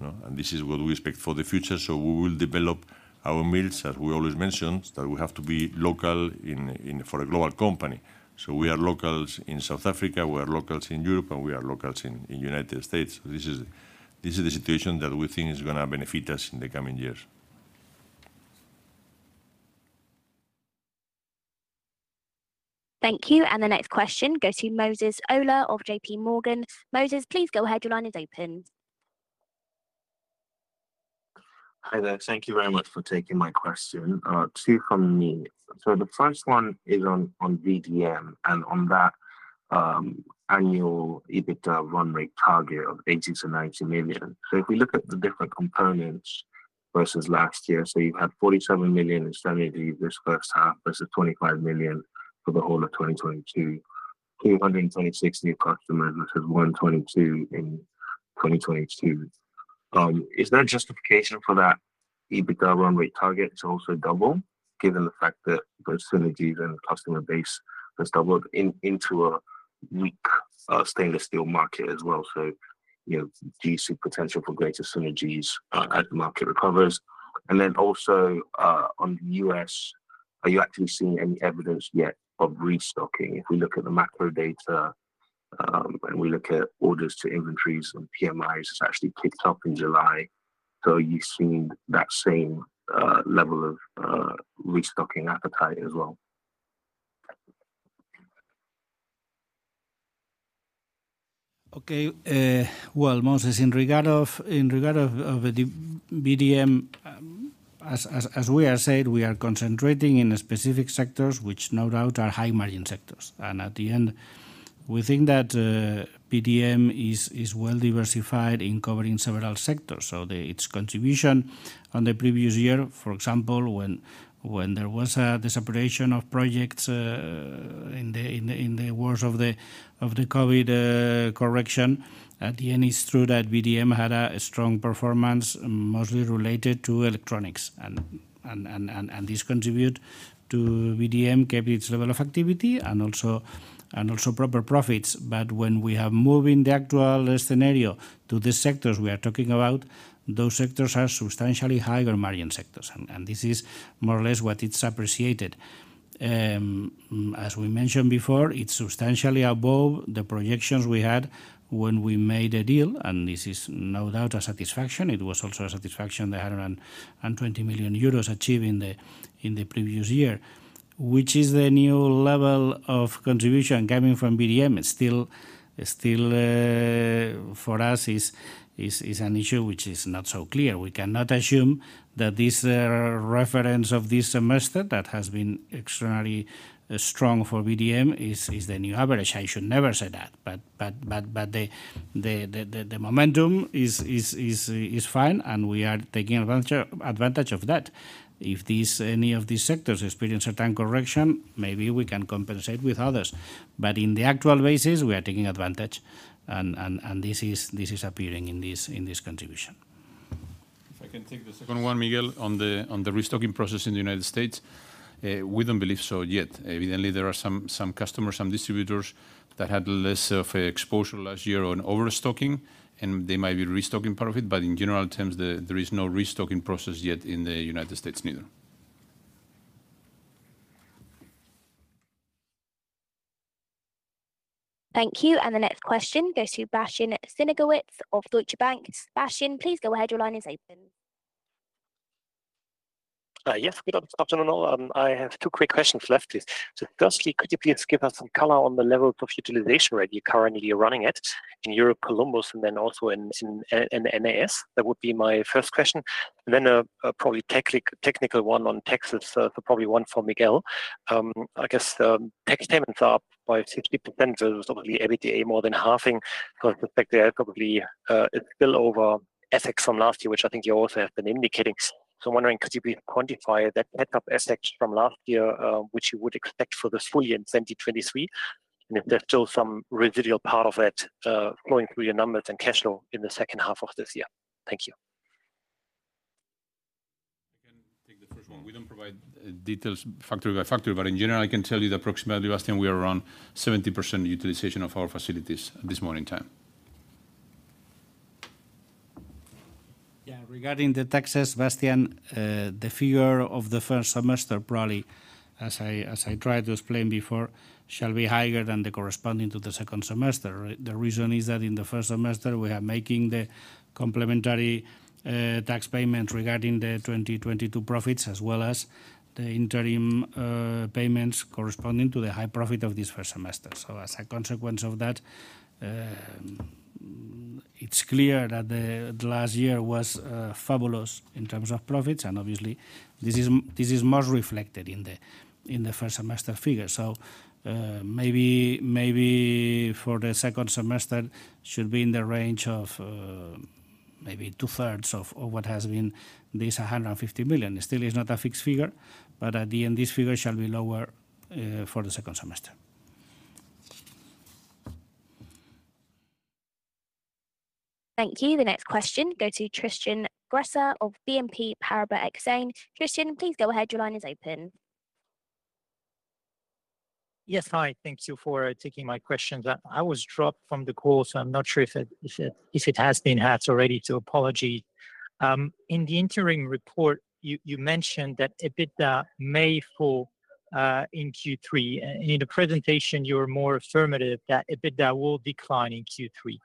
and this is what we expect for the future. We will develop our mills, as we always mentioned, that we have to be local in for a global company. We are locals in South Africa, we are locals in Europe, and we are locals in United States. This is the situation that we think is gonna benefit us in the coming years. Thank you. The next question goes to Moses Ola of JP Morgan. Moses, please go ahead. Your line is open. Hi there. Thank you very much for taking my question. Two from me. The first one is on VDM, and on that annual EBITDA run rate target of 80,000,000-90,000,000. If we look at the different components versus last year, you had 47,000,000 in synergies this first half versus 25,000,000 for the whole of 2022. 226 new customers versus 122 in 2022. Is there a justification for that EBITDA run rate target to also double, given the fact that those synergies and the customer base has doubled in, into a weak stainless steel market as well? You know, do you see potential for greater synergies as the market recovers? Also, on the U.S., are you actually seeing any evidence yet of restocking? If we look at the macro data, when we look at orders to inventories and PMIs, it's actually ticked up in July. Are you seeing that same level of restocking appetite as well? Okay. well, Moses, in regard of the VDM, as we are said, we are concentrating in the specific sectors, which no doubt are high-margin sectors. At the end, we think that VDM is well diversified in covering several sectors. Its contribution on the previous year, for example, when there was the separation of projects in the wars of the COVID correction, at the end, it's true that VDM had a strong performance, mostly related to electronics. This contribute to VDM kept its level of activity and also proper profits. When we have moving the actual scenario to the sectors we are talking about, those sectors are substantially higher-margin sectors, and this is more or less what it's appreciated. As we mentioned before, it's substantially above the projections we had when we made a deal, and this is no doubt a satisfaction. It was also a satisfaction, the 120,000,000 euros achieved in the previous year, which is the new level of contribution coming from VDM. It's still for us is an issue which is not so clear. We cannot assume that this reference of this semester that has been extremely strong for VDM is the new average. I should never say that. The momentum is fine, and we are taking advantage of that. If any of these sectors experience a time correction, maybe we can compensate with others. In the actual basis, we are taking advantage, and this is appearing in this contribution. If I can take the second one, Miguel, on the restocking process in the United States. We don't believe so yet. Evidently, there are some customers, some distributors that had less of a exposure last year on overstocking, and they might be restocking part of it. In general terms, there is no restocking process yet in the United States neither. Thank you. The next question goes to Bastian Synagowitz of Deutsche Bank. Bastian, please go ahead. Your line is open. Yes, good afternoon, all. I have two quick questions left, please. Firstly, could you please give us some color on the level of utilization rate you're currently running at in Europe, Columbus, and also in NAS? That would be my first question. A probably technical one on taxes, so probably one for Miguel. I guess, tax payments are up by 60%, so obviously, EBITDA more than halving because the fact they are probably a spill-over effects from last year, which I think you also have been indicating. I'm wondering, could you please quantify that effect of effects from last year, which you would expect for this full year in 2023, and if there's still some residual part of it, flowing through your numbers and cash flow in the second half of this year? Thank you. I can take the first one. We don't provide details factor by factor, but in general, I can tell you approximately, Bastian, we are around 70% utilization of our facilities this morning time. Yeah, regarding the taxes, Bastian, the figure of the first semester, probably, as I tried to explain before, shall be higher than the corresponding to the second semester. The reason is that in the first semester, we are making the complementary tax payment regarding the 2022 profits, as well as the interim payments corresponding to the high profit of this first semester. As a consequence of that, it's clear that the last year was fabulous in terms of profits, and obviously, this is most reflected in the first semester figure. Maybe for the second semester, should be in the range of maybe two-thirds of what has been this 150,000,000. Still is not a fixed figure, but at the end, this figure shall be lower, for the second semester. Thank you. The next question go to Tristan Gresser of BNP Paribas Exane. Tristan, please go ahead. Your line is open. Yes. Hi, thank you for taking my questions. I was dropped from the call, so I'm not sure if it has been asked already, so apology. In the interim report, you mentioned that EBITDA may fall in Q3. In the presentation, you were more affirmative that EBITDA will decline in Q3.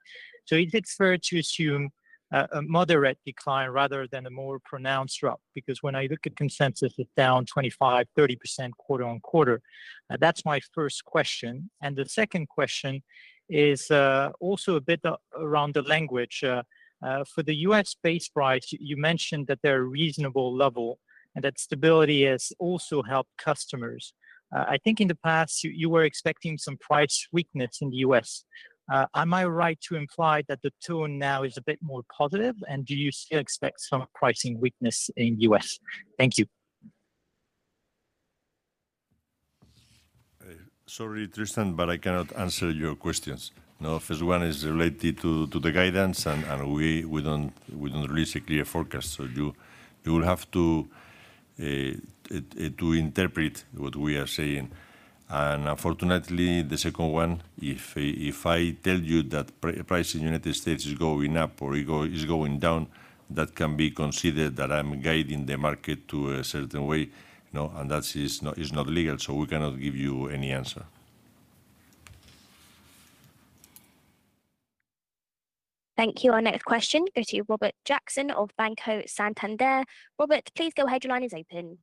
Is it fair to assume a moderate decline rather than a more pronounced drop? When I look at consensus, it's down 25%-30% quarter-on-quarter. That's my first question. The second question is also a bit around the language. For the U.S. base price, you mentioned that they're a reasonable level and that stability has also helped customers. I think in the past, you were expecting some price weakness in the U.S. Am I right to imply that the tone now is a bit more positive, and do you still expect some pricing weakness in U.S.? Thank you. Sorry, Tristan, but I cannot answer your questions. First one is related to the guidance, and we don't release a clear forecast, so you will have to interpret what we are saying. Unfortunately, the second one, if I tell you that price in United States is going up or it is going down, that can be considered that I'm guiding the market to a certain way, you know, and that is not legal, so we cannot give you any answer. Thank you. Our next question go to Robert Jackson of Banco Santander. Robert, please go ahead. Your line is open.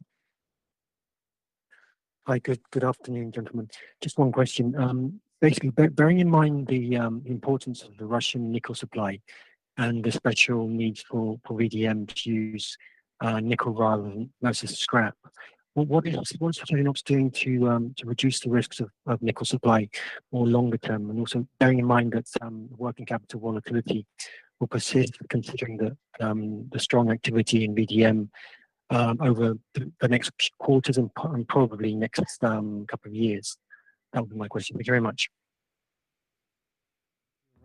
Hi. Good, good afternoon, gentlemen. Just one question. Basically, bearing in mind the importance of the Russian nickel supply and the special needs for VDM to use nickel rather than versus scrap, what is Acerinox doing to reduce the risks of nickel supply more longer term, and also, bearing in mind that some working capital volatility will persist, considering the strong activity in VDM over the next quarters and probably next couple of years? That would be my question. Thank you very much.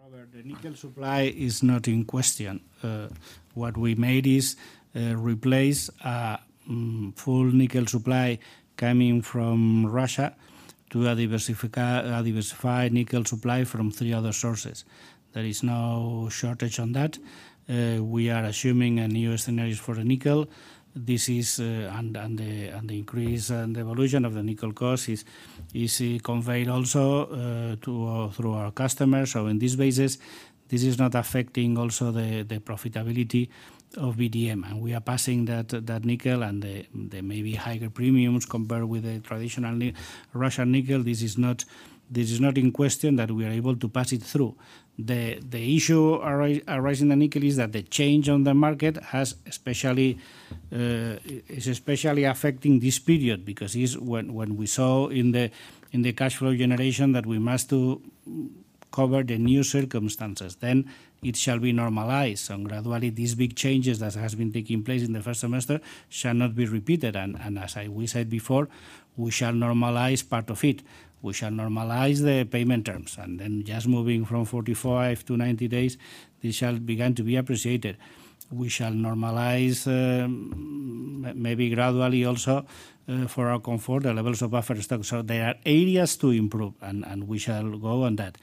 Robert, the nickel supply is not in question. What we made is replace full nickel supply coming from Russia to a diversified nickel supply from three other sources. There is no shortage on that. We are assuming a new scenario for the nickel. This is. The increase and the evolution of the nickel cost is conveyed also through our customers. In this basis, this is not affecting also the profitability of VDM, and we are passing that nickel and the maybe higher premiums compared with the traditional Russian nickel. This is not in question that we are able to pass it through. The issue arising in the nickel is that the change on the market has especially is especially affecting this period, because is when we saw in the cash flow generation that we must cover the new circumstances. It shall be normalized. Gradually, these big changes that has been taking place in the first semester shall not be repeated. As we said before, we shall normalize part of it. We shall normalize the payment terms. Just moving from 45 to 90 days, this shall begin to be appreciated. We shall normalize maybe gradually also for our comfort, the levels of buffer stock. There are areas to improve, and we shall go on that.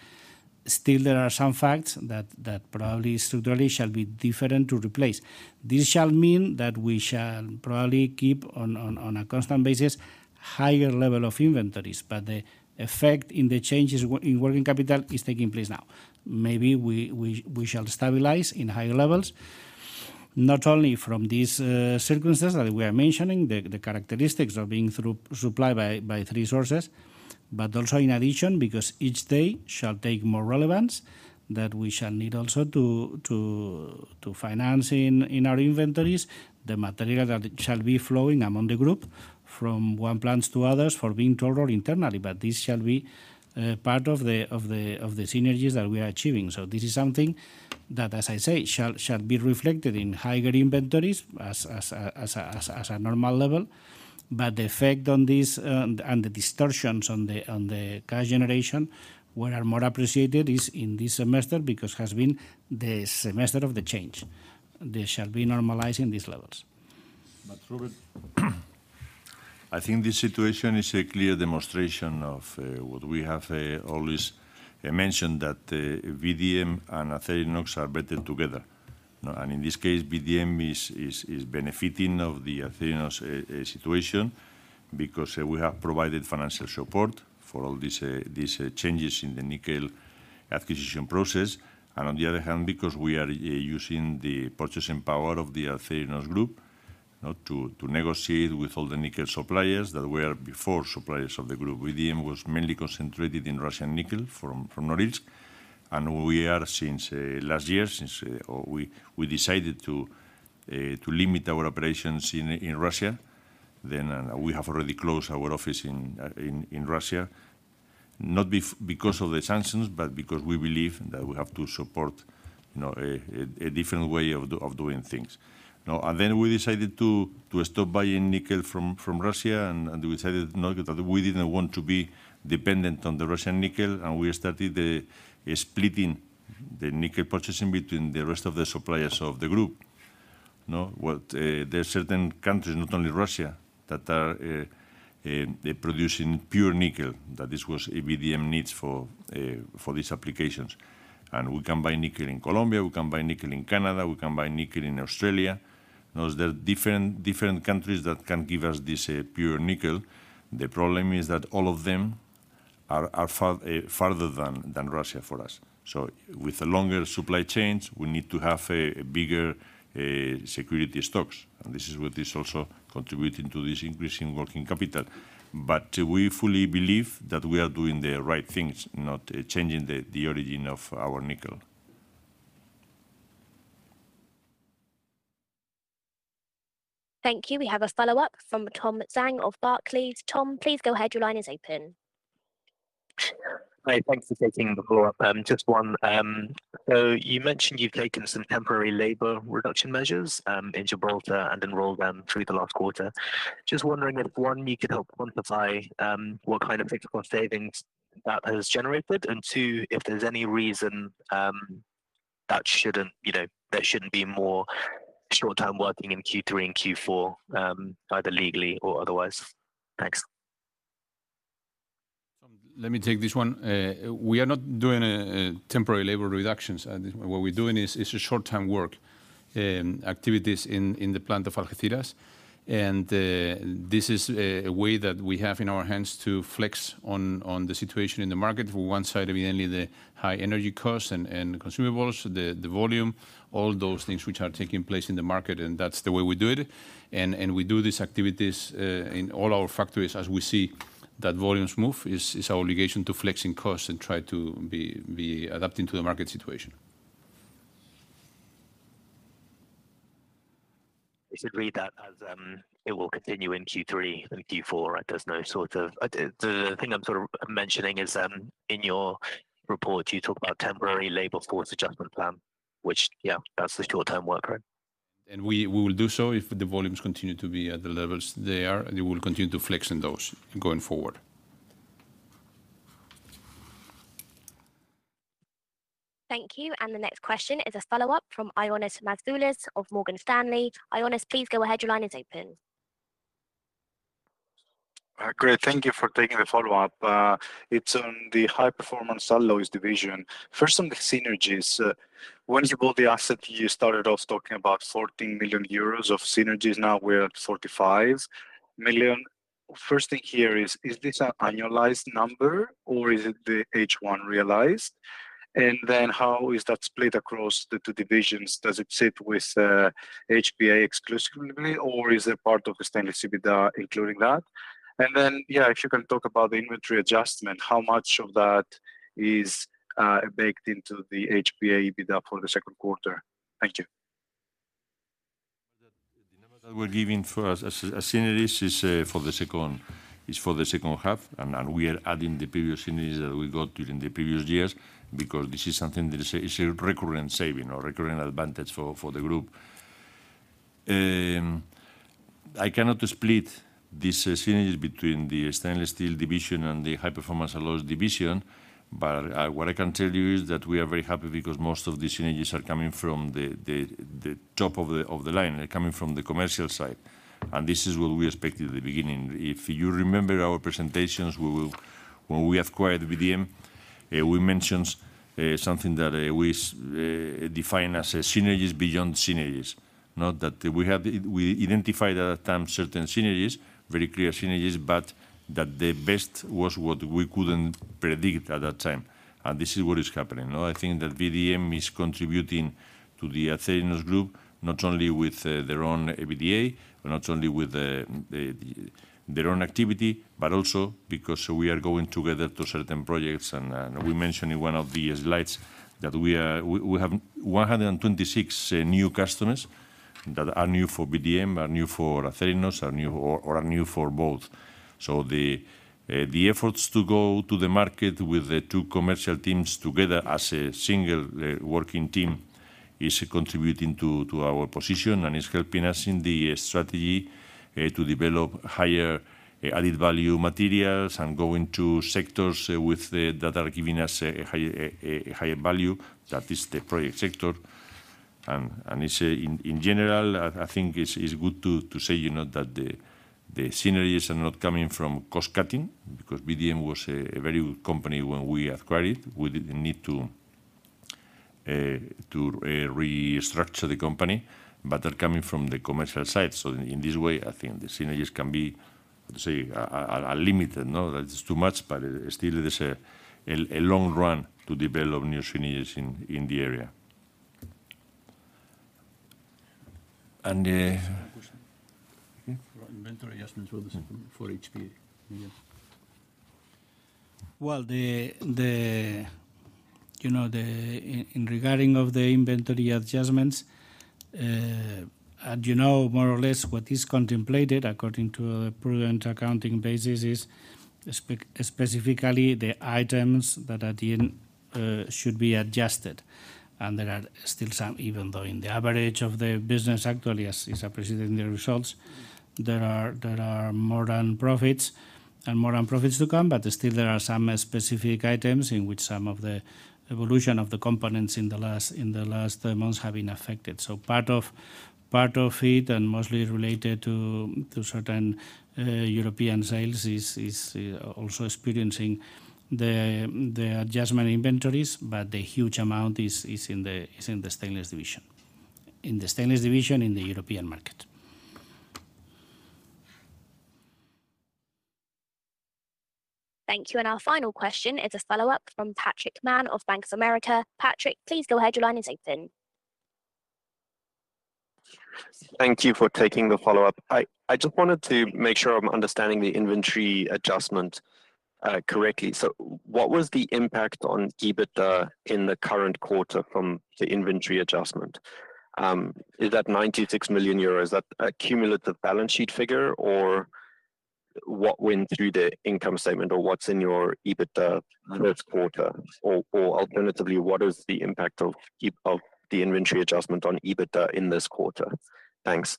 Still, there are some facts that probably structurally shall be different to replace. This shall mean that we shall probably keep on a constant basis, higher level of inventories, but the effect in the changes in working capital is taking place now. Maybe we shall stabilize in higher levels, not only from these circumstances that we are mentioning, the characteristics of being through supplied by 3 sources, but also in addition, because each day shall take more relevance that we shall need also to finance in our inventories, the material that shall be flowing among the group from one plants to others, for being through internally. This shall be part of the synergies that we are achieving. This is something that, as I say, shall be reflected in higher inventories as a normal level. The effect on this, and the distortions on the, on the cash generation, where are more appreciated, is in this semester, because it has been the semester of the change. They shall be normalizing these levels. Robert, I think this situation is a clear demonstration of what we have always mentioned, that VDM and Acerinox are better together. No. In this case, VDM is benefiting of the Acerinox situation because we have provided financial support for all these changes in the nickel acquisition process. On the other hand, because we are using the purchasing power of the Acerinox Group, you know, to negotiate with all the nickel suppliers that were before suppliers of the Group. VDM was mainly concentrated in Russian nickel from Norilsk. We are since last year, since we decided to limit our operations in Russia, we have already closed our office in Russia. Not because of the sanctions, but because we believe that we have to support, you know, a different way of doing things. Then we decided to stop buying nickel from Russia, and we decided, no, that we didn't want to be dependent on the Russian nickel, and we started splitting the nickel purchasing between the rest of the suppliers of the group. You know, what, there are certain countries, not only Russia, that are, they're producing pure nickel, that this was VDM needs for these applications. We can buy nickel in Colombia, we can buy nickel in Canada, we can buy nickel in Australia. Those are different countries that can give us this pure nickel. The problem is that all of them are far farther than Russia for us. With the longer supply chains, we need to have a bigger security stocks. This is what is also contributing to this increase in working capital. We fully believe that we are doing the right things, not changing the origin of our nickel. Thank you. We have a follow-up from Tom Zhang of Barclays. Tom, please go ahead. Your line is open. Hi, thanks for taking the call. Just one, you mentioned you've taken some temporary labor reduction measures in Gibraltar and enrolled them through the last quarter. Just wondering if, one, you could help quantify what kind of fixed cost savings that has generated, and two, if there's any reason that shouldn't, you know, there shouldn't be more short-term working in Q3 and Q4, either legally or otherwise. Thanks. Let me take this one. We are not doing temporary labor reductions. What we're doing is a short-term work activities in the plant of Algeciras. This is a way that we have in our hands to flex on the situation in the market. For one side, evidently, the high energy costs and consumables, the volume, all those things which are taking place in the market, and that's the way we do it. We do these activities in all our factories as we see that volumes move. It's our obligation to flexing costs and try to be adapting to the market situation. I should read that as, it will continue in Q3 and Q4, right? There's no sort of... the thing I'm sort of mentioning is, in your report, you talk about temporary labor force adjustment plan, which, yeah, that's the short-term work, right? We will do so if the volumes continue to be at the levels they are, and we will continue to flex in those going forward. Thank you. The next question is a follow-up from Ioannis Masvoulas of Morgan Stanley. Ioannis, please go ahead. Your line is open. Great. Thank you for taking the follow-up. It's on the high-performance alloys division. First, on the synergies, when you bought the asset, you started off talking about 40,000,000 euros of synergies, now we're at 45,000,000. First thing here is this an annualized number or is it the H1 realized? How is that split across the two divisions? Does it sit with HPA exclusively, or is it part of the stainless EBITDA, including that? If you can talk about the inventory adjustment, how much of that is baked into the HPA EBITDA for the second quarter? Thank you. ...that we're giving for us as synergies is for the second half. We are adding the previous synergies that we got during the previous years, because this is something that is a recurrent saving or recurrent advantage for the group. I cannot split these synergies between the stainless steel division and the high-performance alloys division, but what I can tell you is that we are very happy because most of the synergies are coming from the top of the line. They're coming from the commercial side, and this is what we expected at the beginning. If you remember our presentations, when we acquired VDM, we mentioned something that we define as synergies beyond synergies. Not that we have we identified at that time certain synergies, very clear synergies, but that the best was what we couldn't predict at that time, and this is what is happening. Now, I think that VDM is contributing to the Acerinox group, not only with their own EBITDA or not only with their own activity, but also because we are going together to certain projects. We mentioned in one of the slides that we have 126 new customers that are new for VDM, are new for Acerinox, are new or are new for both. The efforts to go to the market with the two commercial teams together as a single working team is contributing to our position and is helping us in the strategy to develop higher added-value materials and go into sectors that are giving us a high, a higher value. That is the project sector. It's in general, I think it's good to say, you know, that the synergies are not coming from cost-cutting because VDM was a very good company when we acquired it. We didn't need to restructure the company, but they're coming from the commercial side. In this way, I think the synergies can be, let's say, unlimited, no? That it's too much, but, still, there's a long run to develop new synergies in the area. For inventory adjustments for this, for HPA. Well, the, you know, in regarding of the inventory adjustments, as you know, more or less what is contemplated according to a prudent accounting basis is specifically the items that at the end should be adjusted. There are still some, even though in the average of the business actually as appreciated in the results, there are more than profits and more profits to come. Still, there are some specific items in which some of the evolution of the components in the last months have been affected. Part of it, and mostly related to certain European sales, is also experiencing the adjustment inventories, but the huge amount is in the stainless division. In the stainless division, in the European market. Thank you. Our final question is a follow-up from Patrick Mann of Bank of America. Patrick, please go ahead. Your line is open. Thank you for taking the follow-up. I just wanted to make sure I'm understanding the inventory adjustment correctly. What was the impact on EBITDA in the current quarter from the inventory adjustment? Is that 96,000,000 euros, is that a cumulative balance sheet figure, or what went through the income statement or what's in your EBITDA this quarter? Alternatively, what is the impact of the inventory adjustment on EBITDA in this quarter? Thanks.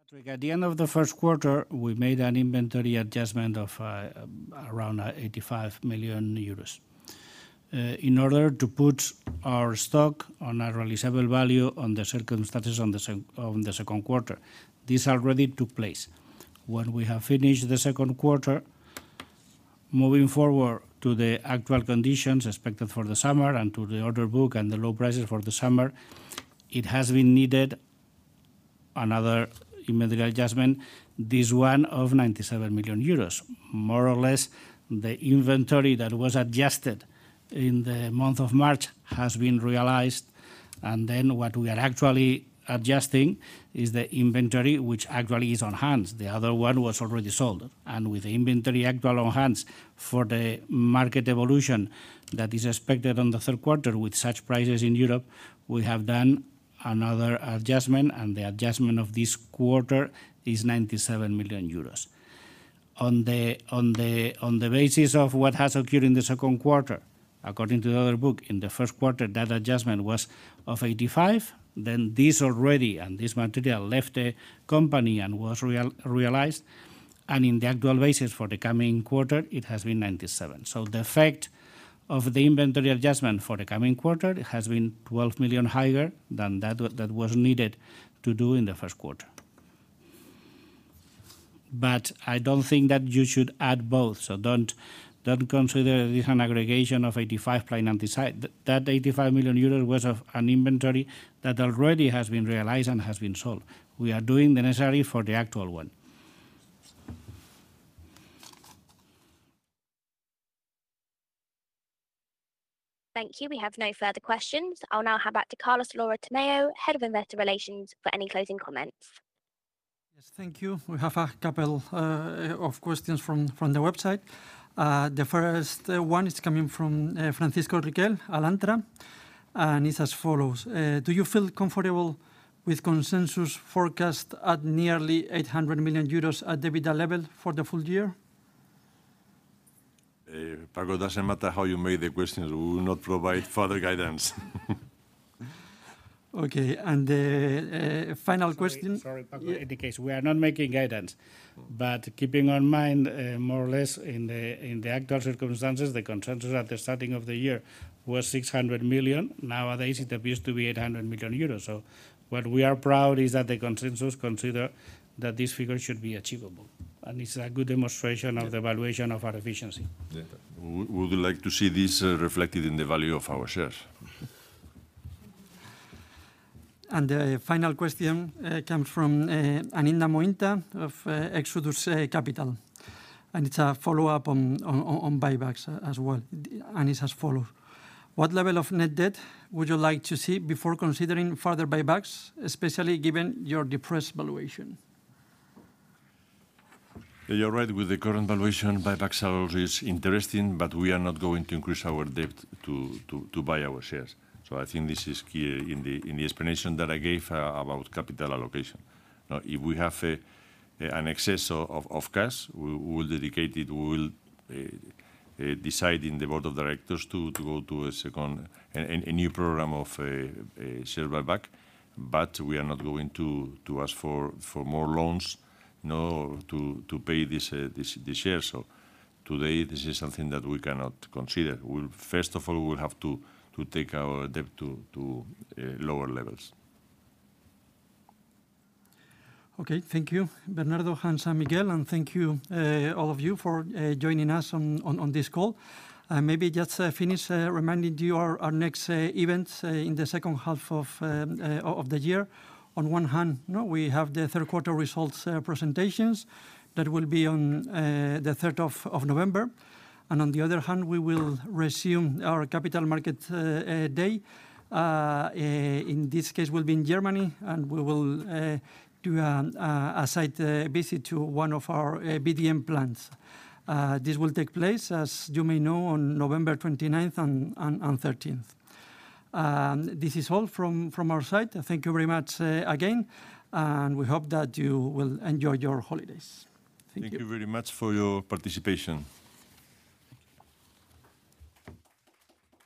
Patrick, at the end of the first quarter, we made an inventory adjustment of around 85,000,000 euros in order to put our stock on a realizable value on the circumstances on the second quarter. These already took place. When we have finished the second quarter, moving forward to the actual conditions expected for the summer and to the order book and the low prices for the summer, it has been needed another inventory adjustment, this one of 97,000,000 euros. More or less, the inventory that was adjusted in the month of March has been realized, and then what we are actually adjusting is the inventory, which actually is on hand. The other one was already sold. With the inventory actual on hand for the market evolution that is expected on the third quarter with such prices in Europe, we have done another adjustment, and the adjustment of this quarter is 97,000,000 euros. On the basis of what has occurred in the second quarter, according to the other book, in the first quarter, that adjustment was of 85. This already, and this material left the company and was realized, and in the actual basis for the coming quarter, it has been 97. The effect of the inventory adjustment for the coming quarter has been 12,000,000 higher than that was needed to do in the first quarter. I don't think that you should add both, don't consider this an aggregation of 85 plus 97. That 85,000,000EUR was of an inventory that already has been realized and has been sold. We are doing the necessary for the actual one. Thank you. We have no further questions. I'll now hand back to Carlos Lora-Tamayo, Head of Investor Relations, for any closing comments. Yes, thank you. We have a couple of questions from the website. The first one is coming from Francisco Riquel, Alantra, and it's as follows: Do you feel comfortable with consensus forecast at nearly 800,000,000 euros at EBITDA level for the full year? Paco, it doesn't matter how you make the questions, we will not provide further guidance. Final question. Sorry, Paco, in the case, we are not making guidance, but keeping in mind, more or less in the actual circumstances, the consensus at the starting of the year was 600,000,000. Nowadays, it appears to be 800,000,000 euros. What we are proud is that the consensus consider that this figure should be achievable, and it's a good demonstration of the valuation of our efficiency. Yeah. We would like to see this reflected in the value of our shares. The final question comes from Aninda Mohinta of ExodusPoint Capital, and it's a follow-up on buybacks as well, and it's as follows: What level of net debt would you like to see before considering further buybacks, especially given your depressed valuation? You're right, with the current valuation, buyback sales is interesting, but we are not going to increase our debt to buy our shares. I think this is key in the explanation that I gave about capital allocation. Now, if we have an excess of cash, we will dedicate it. We will decide in the board of directors to go to a new program of a share buyback. We are not going to ask for more loans, you know, to pay this share. Today, this is something that we cannot consider. First of all, we'll have to take our debt to lower levels. Okay. Thank you, Bernardo, Hans, and Miguel. Thank you, all of you for joining us on this call. Maybe just finish reminding you our next events in the second half of the year. On one hand, you know, we have the third quarter results presentations. That will be on the 3rd of November. On the other hand, we will resume our capital market day. In this case, will be in Germany, and we will do a site visit to one of our VDM plants. This will take place, as you may know, on November 29th on 13th. This is all from our side. Thank you very much again. We hope that you will enjoy your holidays. Thank you. Thank you very much for your participation.